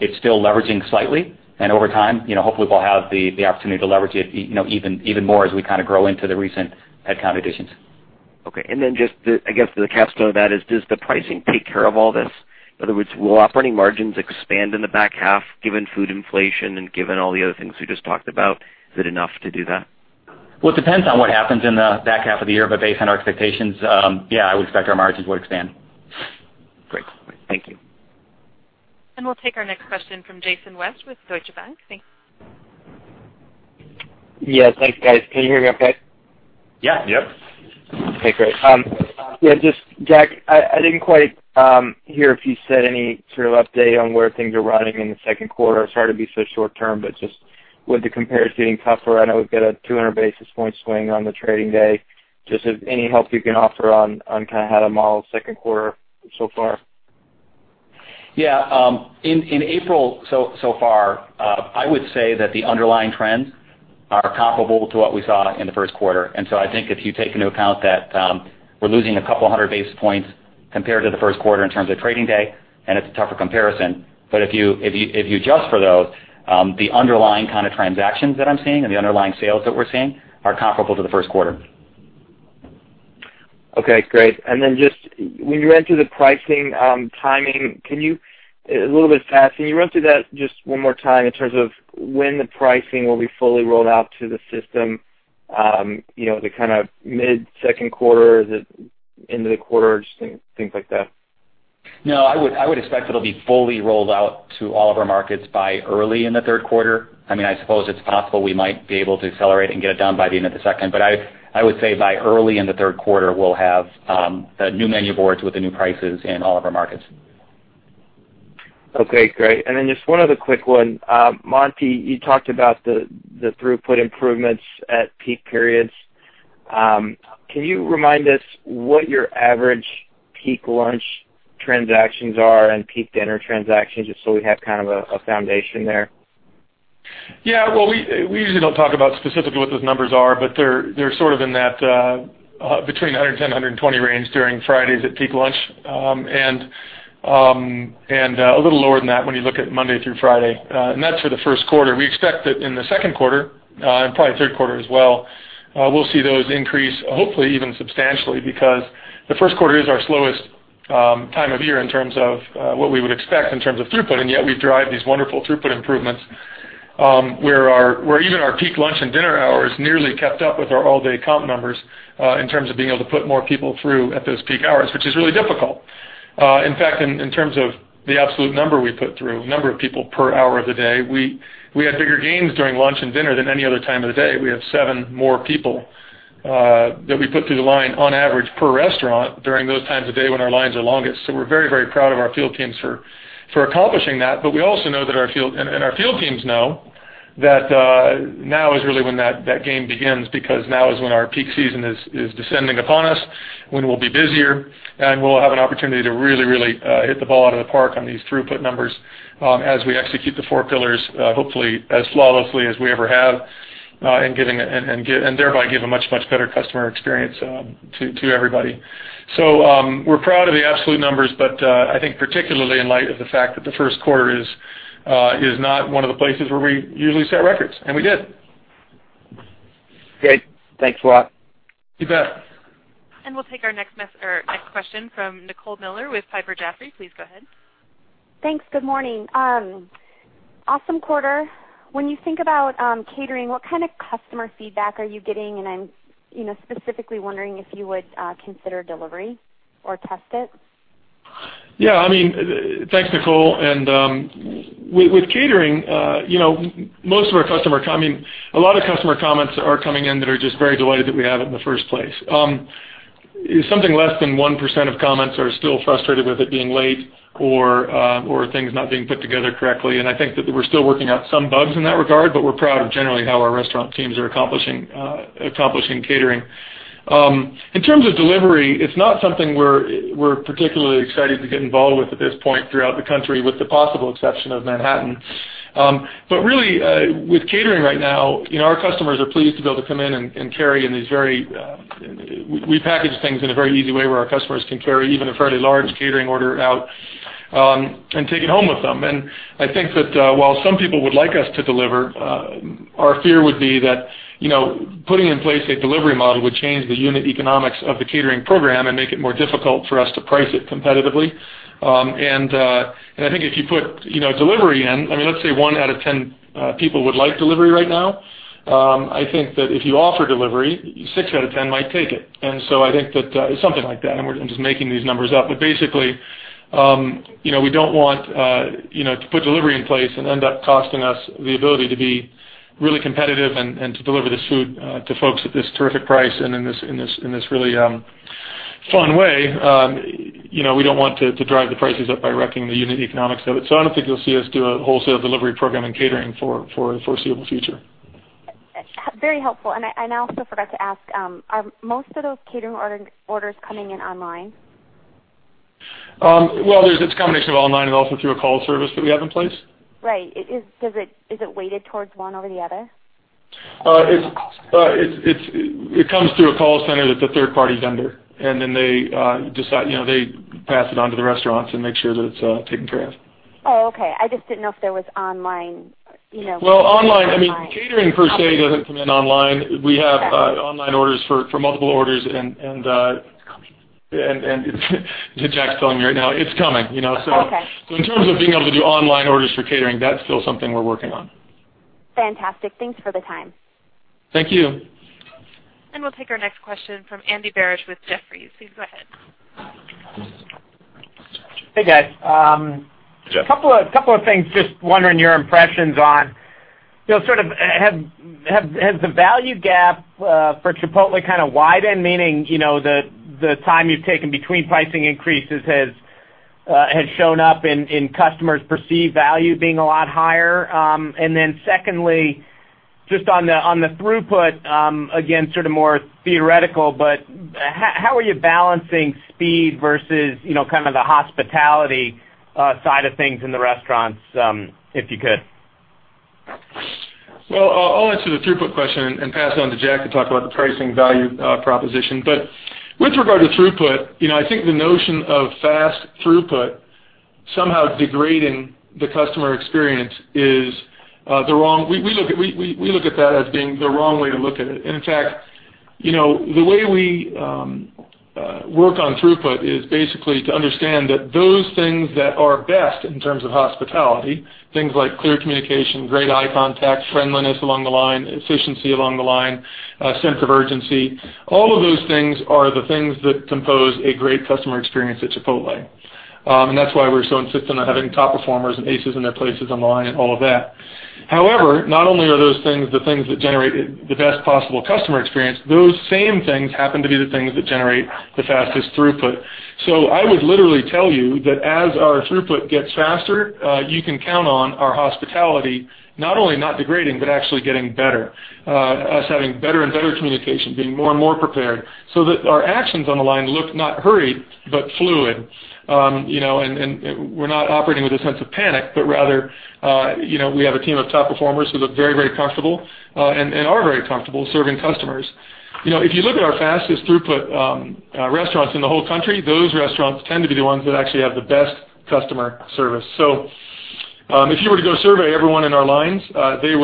It's still leveraging slightly, and over time, hopefully we'll have the opportunity to leverage it even more as we kind of grow into the recent headcount additions. Okay. Then just, I guess, the capstone of that is, does the pricing take care of all this? In other words, will operating margins expand in the back half, given food inflation and given all the other things we just talked about? Is it enough to do that? Well, it depends on what happens in the back half of the year, but based on our expectations, yeah, I would expect our margins would expand. Great. Thank you. We'll take our next question from Jason West with Deutsche Bank. Yeah. Thanks, guys. Can you hear me okay? Yeah. Yep. Okay, great. Yeah, just Jack, I didn't quite hear if you said any sort of update on where things are running in the second quarter. Sorry to be so short-term, but just with the comparison getting tougher, I know we've got a 200 basis point swing on the trading day. Just any help you can offer on kind of how to model second quarter so far? Yeah. In April so far, I would say that the underlying trends are comparable to what we saw in the first quarter. I think if you take into account that we're losing a couple of hundred basis points compared to the first quarter in terms of trading day, and it's a tougher comparison. If you adjust for those, the underlying kind of transactions that I'm seeing and the underlying sales that we're seeing are comparable to the first quarter. Okay, great. Just when you went through the pricing timing, can you, a little bit fast, can you run through that just one more time in terms of when the pricing will be fully rolled out to the system? The kind of mid-second quarter, the end of the quarter, just things like that. No, I would expect it'll be fully rolled out to all of our markets by early in the third quarter. I suppose it's possible we might be able to accelerate and get it done by the end of the second. I would say by early in the third quarter, we'll have the new menu boards with the new prices in all of our markets. Okay, great. Just one other quick one. Monty, you talked about the throughput improvements at peak periods. Can you remind us what your average peak lunch transactions are and peak dinner transactions, just so we have kind of a foundation there? Yeah. We usually don't talk about specifically what those numbers are, but they're sort of in that between 110 and 120 range during Fridays at peak lunch, and a little lower than that when you look at Monday through Friday. That's for the first quarter. We expect that in the second quarter, and probably third quarter as well, we'll see those increase, hopefully even substantially, because the first quarter is our slowest time of year in terms of what we would expect in terms of throughput, and yet we drive these wonderful throughput improvements, where even our peak lunch and dinner hours nearly kept up with our all-day comp numbers in terms of being able to put more people through at those peak hours, which is really difficult. In fact, in terms of the absolute number we put through, number of people per hour of the day, we had bigger gains during lunch and dinner than any other time of the day. We have seven more people That we put through the line on average per restaurant during those times of day when our lines are longest. We're very proud of our field teams for accomplishing that. We also know, and our field teams know that now is really when that game begins, because now is when our peak season is descending upon us, when we'll be busier, and we'll have an opportunity to really hit the ball out of the park on these throughput numbers as we execute the four pillars, hopefully as flawlessly as we ever have, and thereby give a much better customer experience to everybody. We're proud of the absolute numbers, but I think particularly in light of the fact that the first quarter is not one of the places where we usually set records, and we did. Great. Thanks a lot. You bet. We'll take our next question from Nicole Miller with Piper Jaffray. Please go ahead. Thanks. Good morning. Awesome quarter. When you think about catering, what kind of customer feedback are you getting? I'm specifically wondering if you would consider delivery or test it. Yeah. Thanks, Nicole. With catering, a lot of customer comments are coming in that are just very delighted that we have it in the first place. Something less than 1% of comments are still frustrated with it being late or things not being put together correctly, I think that we're still working out some bugs in that regard, but we're proud of generally how our restaurant teams are accomplishing catering. In terms of delivery, it's not something we're particularly excited to get involved with at this point throughout the country, with the possible exception of Manhattan. Really, with catering right now, our customers are pleased to be able to come in and carry in. We package things in a very easy way where our customers can carry even a fairly large catering order out and take it home with them. I think that while some people would like us to deliver, our fear would be that putting in place a delivery model would change the unit economics of the catering program and make it more difficult for us to price it competitively. I think if you put delivery in, let's say 1 out of 10 people would like delivery right now. I think that if you offer delivery, 6 out of 10 might take it. I think that it's something like that, and I'm just making these numbers up. Basically, we don't want to put delivery in place and end up costing us the ability to be really competitive and to deliver this food to folks at this terrific price and in this really fun way. We don't want to drive the prices up by wrecking the unit economics of it. I don't think you'll see us do a wholesale delivery program in catering for the foreseeable future. Very helpful. I also forgot to ask, are most of those catering orders coming in online? Well, it's a combination of online and also through a call service that we have in place. Right. Is it weighted towards one over the other? It comes through a call center that's a third-party vendor, and then they pass it on to the restaurants and make sure that it's taken care of. Oh, okay. I just didn't know if there was online- Well, online, catering per se doesn't come in online. We have online orders for multiple orders and- It's coming. Jack's telling me right now, "It's coming. Okay. In terms of being able to do online orders for catering, that's still something we're working on. Fantastic. Thanks for the time. Thank you. We'll take our next question from Andy Barish with Jefferies. Please go ahead. Hey, guys. Jack. A couple of things, just wondering your impressions on, sort of has the value gap for Chipotle kind of widened? Meaning, the time you've taken between pricing increases has shown up in customers' perceived value being a lot higher? Then secondly, just on the throughput, again, sort of more theoretical, but how are you balancing speed versus the hospitality side of things in the restaurants, if you could? Well, I'll answer the throughput question and pass it on to Jack to talk about the pricing value proposition. With regard to throughput, I think the notion of fast throughput somehow degrading the customer experience. We look at that as being the wrong way to look at it. In fact, the way we work on throughput is basically to understand that those things that are best in terms of hospitality, things like clear communication, great eye contact, friendliness along the line, efficiency along the line, sense of urgency, all of those things are the things that compose a great customer experience at Chipotle. That's why we're so insistent on having top performers and aces in their places on the line and all of that. Not only are those things, the things that generate the best possible customer experience, those same things happen to be the things that generate the fastest throughput. I would literally tell you that as our throughput gets faster, you can count on our hospitality, not only not degrading, but actually getting better, us having better and better communication, being more and more prepared, so that our actions on the line look not hurried, but fluid. We're not operating with a sense of panic, but rather we have a team of top performers who look very comfortable and are very comfortable serving customers. If you look at our fastest throughput restaurants in the whole country, those restaurants tend to be the ones that actually have the best customer service. If you were to go survey everyone in our lines, they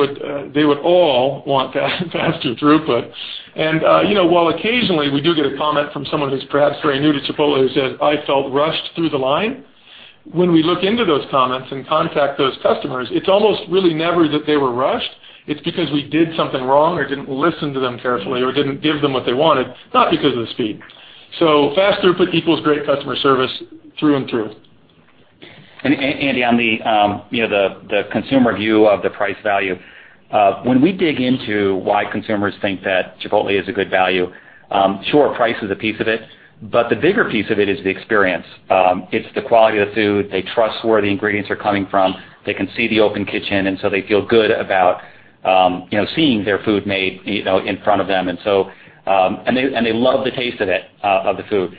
would all want faster throughput. While occasionally we do get a comment from someone who's perhaps very new to Chipotle who says, "I felt rushed through the line," when we look into those comments and contact those customers, it's almost really never that they were rushed. It's because we did something wrong or didn't listen to them carefully or didn't give them what they wanted, not because of the speed. Fast throughput equals great customer service through and through. Andy Barish, on the consumer view of the price value, when we dig into why consumers think that Chipotle is a good value, sure, price is a piece of it, but the bigger piece of it is the experience. It's the quality of the food. They trust where the ingredients are coming from. They can see the open kitchen, they feel good about seeing their food made in front of them, and they love the taste of it, of the food.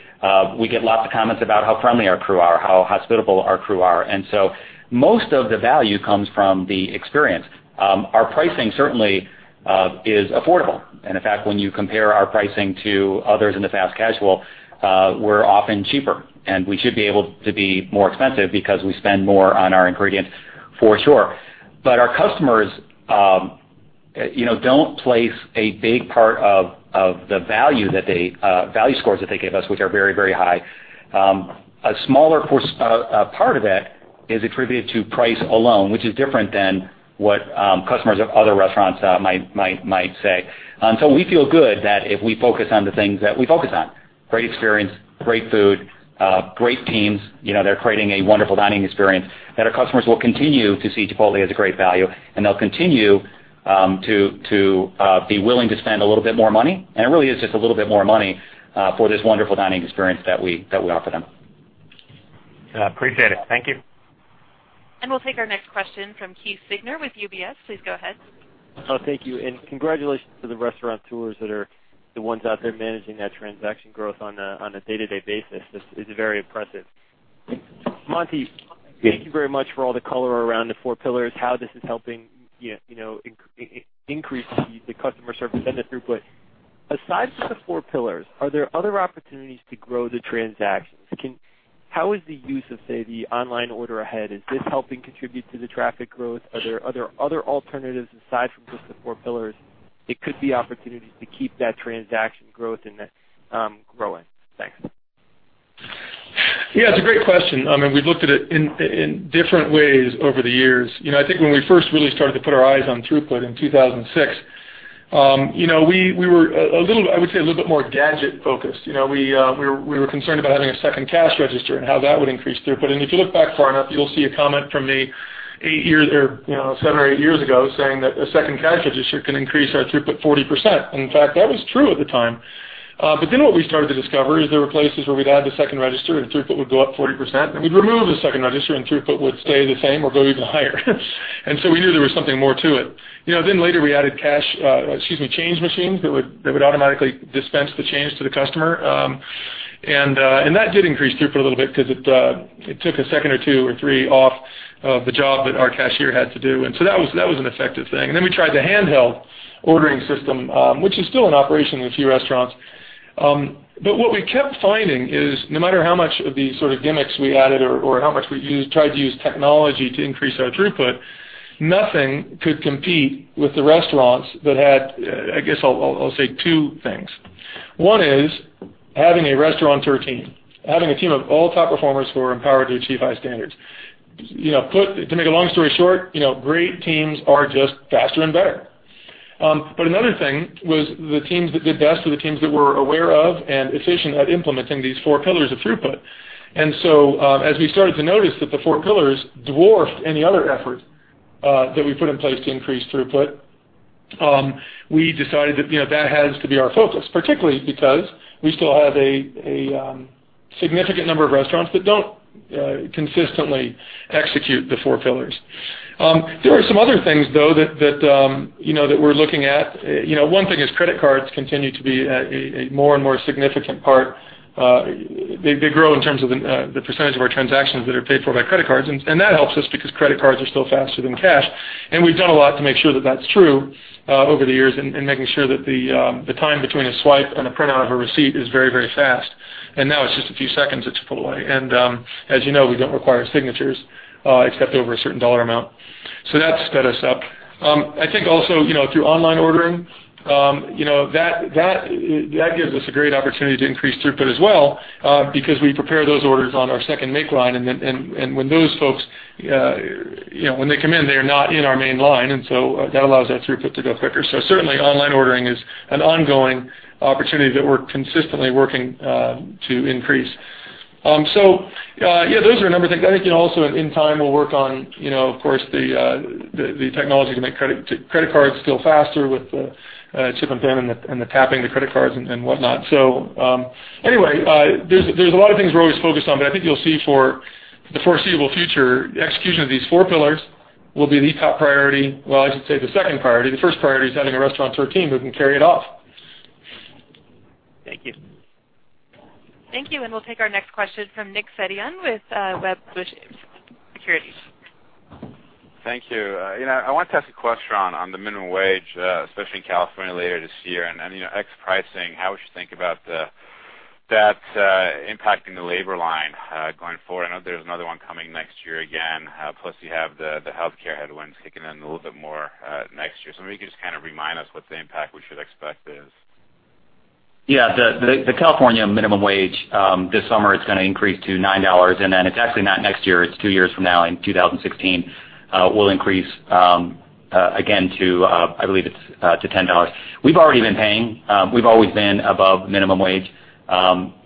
We get lots of comments about how friendly our crew are, how hospitable our crew are, most of the value comes from the experience. Our pricing certainly is affordable. In fact, when you compare our pricing to others in the fast casual, we're often cheaper, and we should be able to be more expensive because we spend more on our ingredients for sure. Our customers don't place a big part of the value scores that they gave us, which are very high. A smaller part of it is attributed to price alone, which is different than what customers of other restaurants might say. We feel good that if we focus on the things that we focus on, great experience, great food, great teams, they're creating a wonderful dining experience, that our customers will continue to see Chipotle as a great value, and they'll continue to be willing to spend a little bit more money. It really is just a little bit more money for this wonderful dining experience that we offer them. Appreciate it. Thank you. We'll take our next question from Keith Siegner with UBS. Please go ahead. Thank you, and congratulations to the Restaurateurs that are the ones out there managing that transaction growth on a day-to-day basis. It's very impressive. Monty, thank you very much for all the color around the four pillars, how this is helping increase the customer service and the throughput. Aside from the four pillars, are there other opportunities to grow the transactions? How is the use of, say, the online order ahead, is this helping contribute to the traffic growth? Are there other alternatives aside from just the four pillars that could be opportunities to keep that transaction growth growing? Thanks. Yeah, it's a great question. We've looked at it in different ways over the years. I think when we first really started to put our eyes on throughput in 2006, we were, I would say, a little bit more gadget focused. We were concerned about having a second cash register and how that would increase throughput. If you look back far enough, you'll see a comment from me seven or eight years ago saying that a second cash register can increase our throughput 40%. In fact, that was true at the time. What we started to discover is there were places where we'd add the second register, and throughput would go up 40%, and we'd remove the second register, and throughput would stay the same or go even higher. We knew there was something more to it. Later we added change machines that would automatically dispense the change to the customer, that did increase throughput a little bit because it took a second or two or three off of the job that our cashier had to do, that was an effective thing. We tried the handheld ordering system, which is still in operation in a few restaurants. What we kept finding is no matter how much of these sort of gimmicks we added or how much we tried to use technology to increase our throughput, nothing could compete with the restaurants that had, I guess I'll say two things. One is having a Restaurateur team, having a team of all top performers who are empowered to achieve high standards. To make a long story short, great teams are just faster and better. Another thing was the teams that did best were the teams that were aware of and efficient at implementing these four pillars of throughput. As we started to notice that the four pillars dwarfed any other effort that we put in place to increase throughput, we decided that had to be our focus, particularly because we still have a significant number of restaurants that don't consistently execute the four pillars. There are some other things, though, that we're looking at. One thing is credit cards continue to be a more and more significant part. They grow in terms of the percentage of our transactions that are paid for by credit cards, that helps us because credit cards are still faster than cash, we've done a lot to make sure that that's true over the years and making sure that the time between a swipe and a print out of a receipt is very fast. Now it's just a few seconds at Chipotle. As you know, we don't require signatures except over a certain dollar amount. That's sped us up. I think also through online ordering, that gives us a great opportunity to increase throughput as well, because we prepare those orders on our second make line, when those folks come in, they're not in our main line, that allows that throughput to go quicker. Certainly online ordering is an ongoing opportunity that we're consistently working to increase. Yeah, those are a number of things. I think also in time we'll work on, of course, the technology to make credit cards still faster with the chip and PIN and the tapping the credit cards and whatnot. Anyway, there's a lot of things we're always focused on, I think you'll see for the foreseeable future, execution of these four pillars will be the top priority. Well, I should say the second priority. The first priority is having a Restaurateur team who can carry it off. Thank you. Thank you. We'll take our next question from Nick Setyan with Wedbush Securities. Thank you. I wanted to ask a question on the minimum wage, especially in California later this year, and ex pricing, how we should think about that impacting the labor line going forward. I know there's another one coming next year again, plus you have the healthcare headwinds kicking in a little bit more next year. Maybe you could just kind of remind us what the impact we should expect is. Yeah. The California minimum wage this summer is going to increase to $9, and then it's actually not next year, it's two years from now in 2016, will increase I believe it's to $10. We've already been paying. We've always been above minimum wage.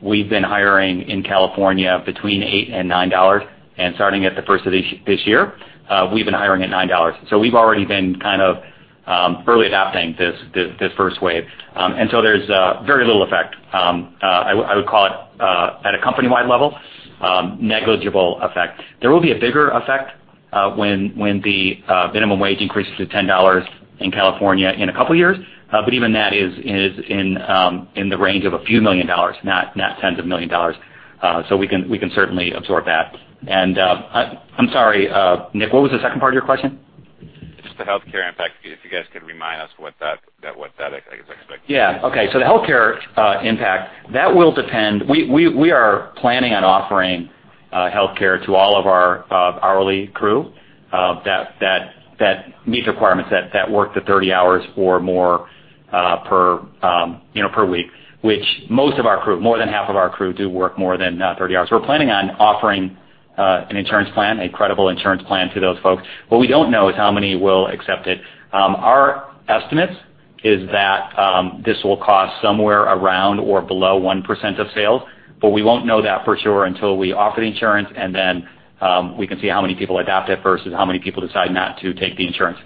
We've been hiring in California between $8 and $9, and starting at the first of this year, we've been hiring at $9. We've already been early adopting this first wave. There's very little effect. I would call it, at a company-wide level, negligible effect. There will be a bigger effect when the minimum wage increases to $10 in California in a couple of years. Even that is in the range of a few million dollars, not tens of million dollars. We can certainly absorb that. I'm sorry, Nick, what was the second part of your question? Just the healthcare impact, if you guys could remind us what that, I guess, expectation is. The healthcare impact, that will depend. We are planning on offering healthcare to all of our hourly crew that meet the requirements, that work the 30 hours or more per week. Which most of our crew, more than half of our crew, do work more than 30 hours. We're planning on offering an insurance plan, a credible insurance plan to those folks. What we don't know is how many will accept it. Our estimate is that this will cost somewhere around or below 1% of sales. We won't know that for sure until we offer the insurance and then we can see how many people adopt it versus how many people decide not to take the insurance.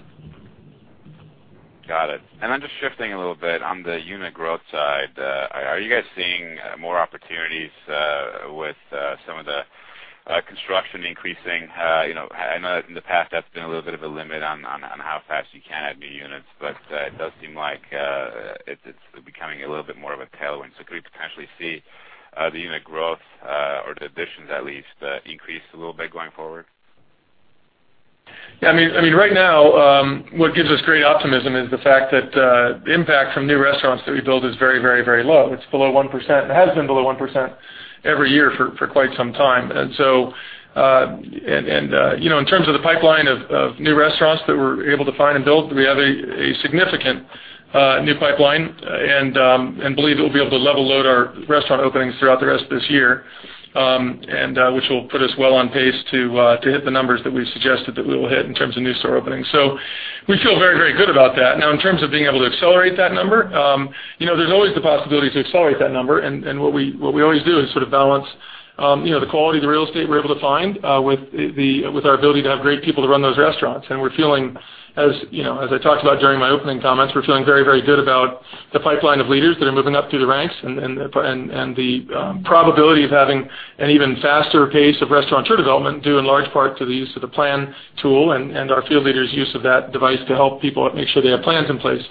Got it. I'm just shifting a little bit on the unit growth side. Are you guys seeing more opportunities with some of the construction increasing? I know in the past that's been a little bit of a limit on how fast you can add new units. It does seem like it's becoming a little bit more of a tailwind. Could we potentially see the unit growth, or the additions at least, increase a little bit going forward? Right now, what gives us great optimism is the fact that the impact from new restaurants that we build is very low. It's below 1%, it has been below 1% every year for quite some time. In terms of the pipeline of new restaurants that we're able to find and build, we have a significant new pipeline and believe we'll be able to level load our restaurant openings throughout the rest of this year, which will put us well on pace to hit the numbers that we've suggested that we will hit in terms of new store openings. We feel very good about that. In terms of being able to accelerate that number, there's always the possibility to accelerate that number, and what we always do is sort of balance the quality of the real estate we're able to find with our ability to have great people to run those restaurants. We're feeling, as I talked about during my opening comments, we're feeling very good about the pipeline of leaders that are moving up through the ranks and the probability of having an even faster pace of Restaurateur development, due in large part to the use of the PLAN tool and our field leaders' use of that device to help people make sure they have plans in place.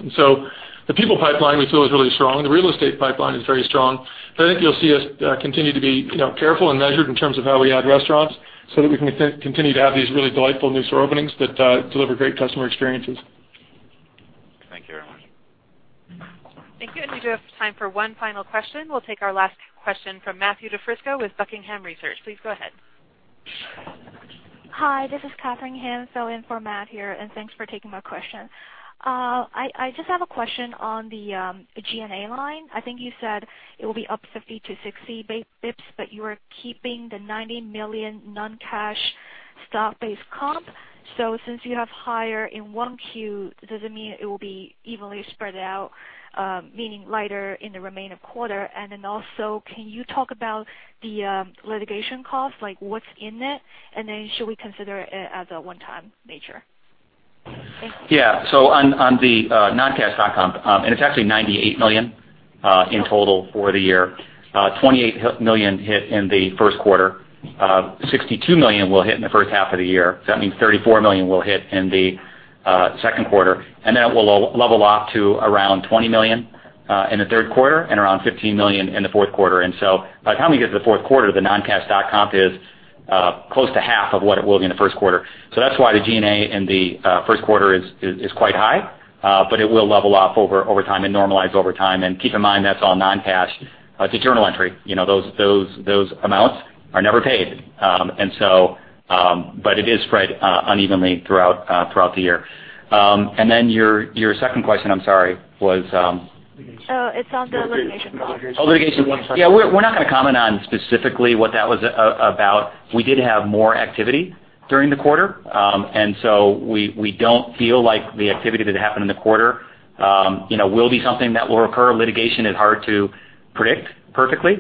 The people pipeline, we feel, is really strong. The real estate pipeline is very strong. I think you'll see us continue to be careful and measured in terms of how we add restaurants so that we can continue to have these really delightful new store openings that deliver great customer experiences. Thank you, everyone. Thank you. We do have time for one final question. We'll take our last question from Matthew DiFrisco with Buckingham Research. Please go ahead. Hi, this is Catherine Ham filling in for Matt here, thanks for taking my question. I just have a question on the G&A line. I think you said it will be up 50 to 60 basis points, you are keeping the $90 million non-cash stock-based comp. Since you have higher in one Q, does it mean it will be evenly spread out, meaning lighter in the remainder quarter? Also, can you talk about the litigation costs, like what's in it? Should we consider it as a one-time nature? Thank you. Yeah. On the non-cash comp, it's actually $98 million in total for the year, $28 million hit in the first quarter, $62 million will hit in the first half of the year. That means $34 million will hit in the second quarter, it will level off to around $20 million in the third quarter and around $15 million in the fourth quarter. By the time we get to the fourth quarter, the non-cash comp is close to half of what it will be in the first quarter. That's why the G&A in the first quarter is quite high. It will level off over time and normalize over time. Keep in mind, that's all non-cash. It's a journal entry. Those amounts are never paid. It is spread unevenly throughout the year. Your second question, I'm sorry, was- Oh, it's on the litigation cost. Litigation. We're not going to comment on specifically what that was about. We did have more activity during the quarter. We don't feel like the activity that happened in the quarter will be something that will recur. Litigation is hard to predict perfectly.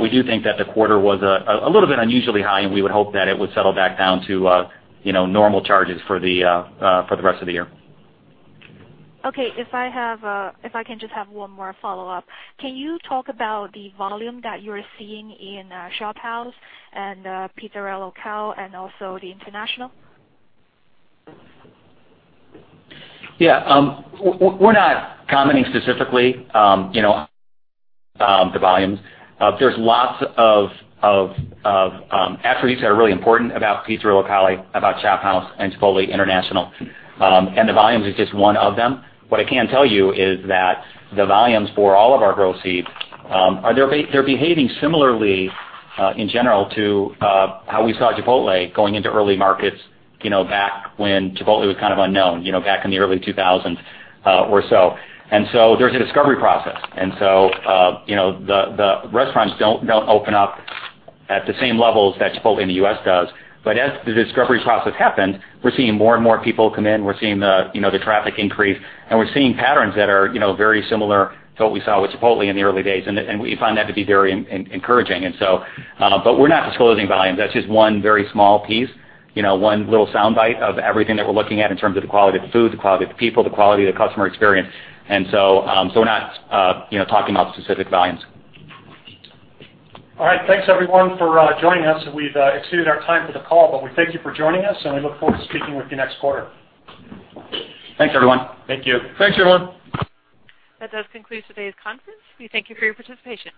We do think that the quarter was a little bit unusually high, and we would hope that it would settle back down to normal charges for the rest of the year. Okay. If I can just have one more follow-up. Can you talk about the volume that you're seeing in ShopHouse and Pizzeria Locale and also the International? We're not commenting specifically on the volumes. There's lots of attributes that are really important about Pizzeria Locale, about ShopHouse, and Chipotle International. The volumes is just one of them. What I can tell you is that the volumes for all of our growth seeds, they're behaving similarly, in general, to how we saw Chipotle going into early markets back when Chipotle was kind of unknown, back in the early 2000s or so. There's a discovery process. The restaurants don't open up at the same levels that Chipotle in the U.S. does. As the discovery process happens, we're seeing more and more people come in, we're seeing the traffic increase, and we're seeing patterns that are very similar to what we saw with Chipotle in the early days. We find that to be very encouraging. We're not disclosing volumes. That's just one very small piece, one little soundbite of everything that we're looking at in terms of the quality of the food, the quality of the people, the quality of the customer experience. We're not talking about specific volumes. All right. Thanks, everyone, for joining us. We've exceeded our time for the call. We thank you for joining us, and we look forward to speaking with you next quarter. Thanks, everyone. Thank you. Thanks, everyone. That does conclude today's conference. We thank you for your participation.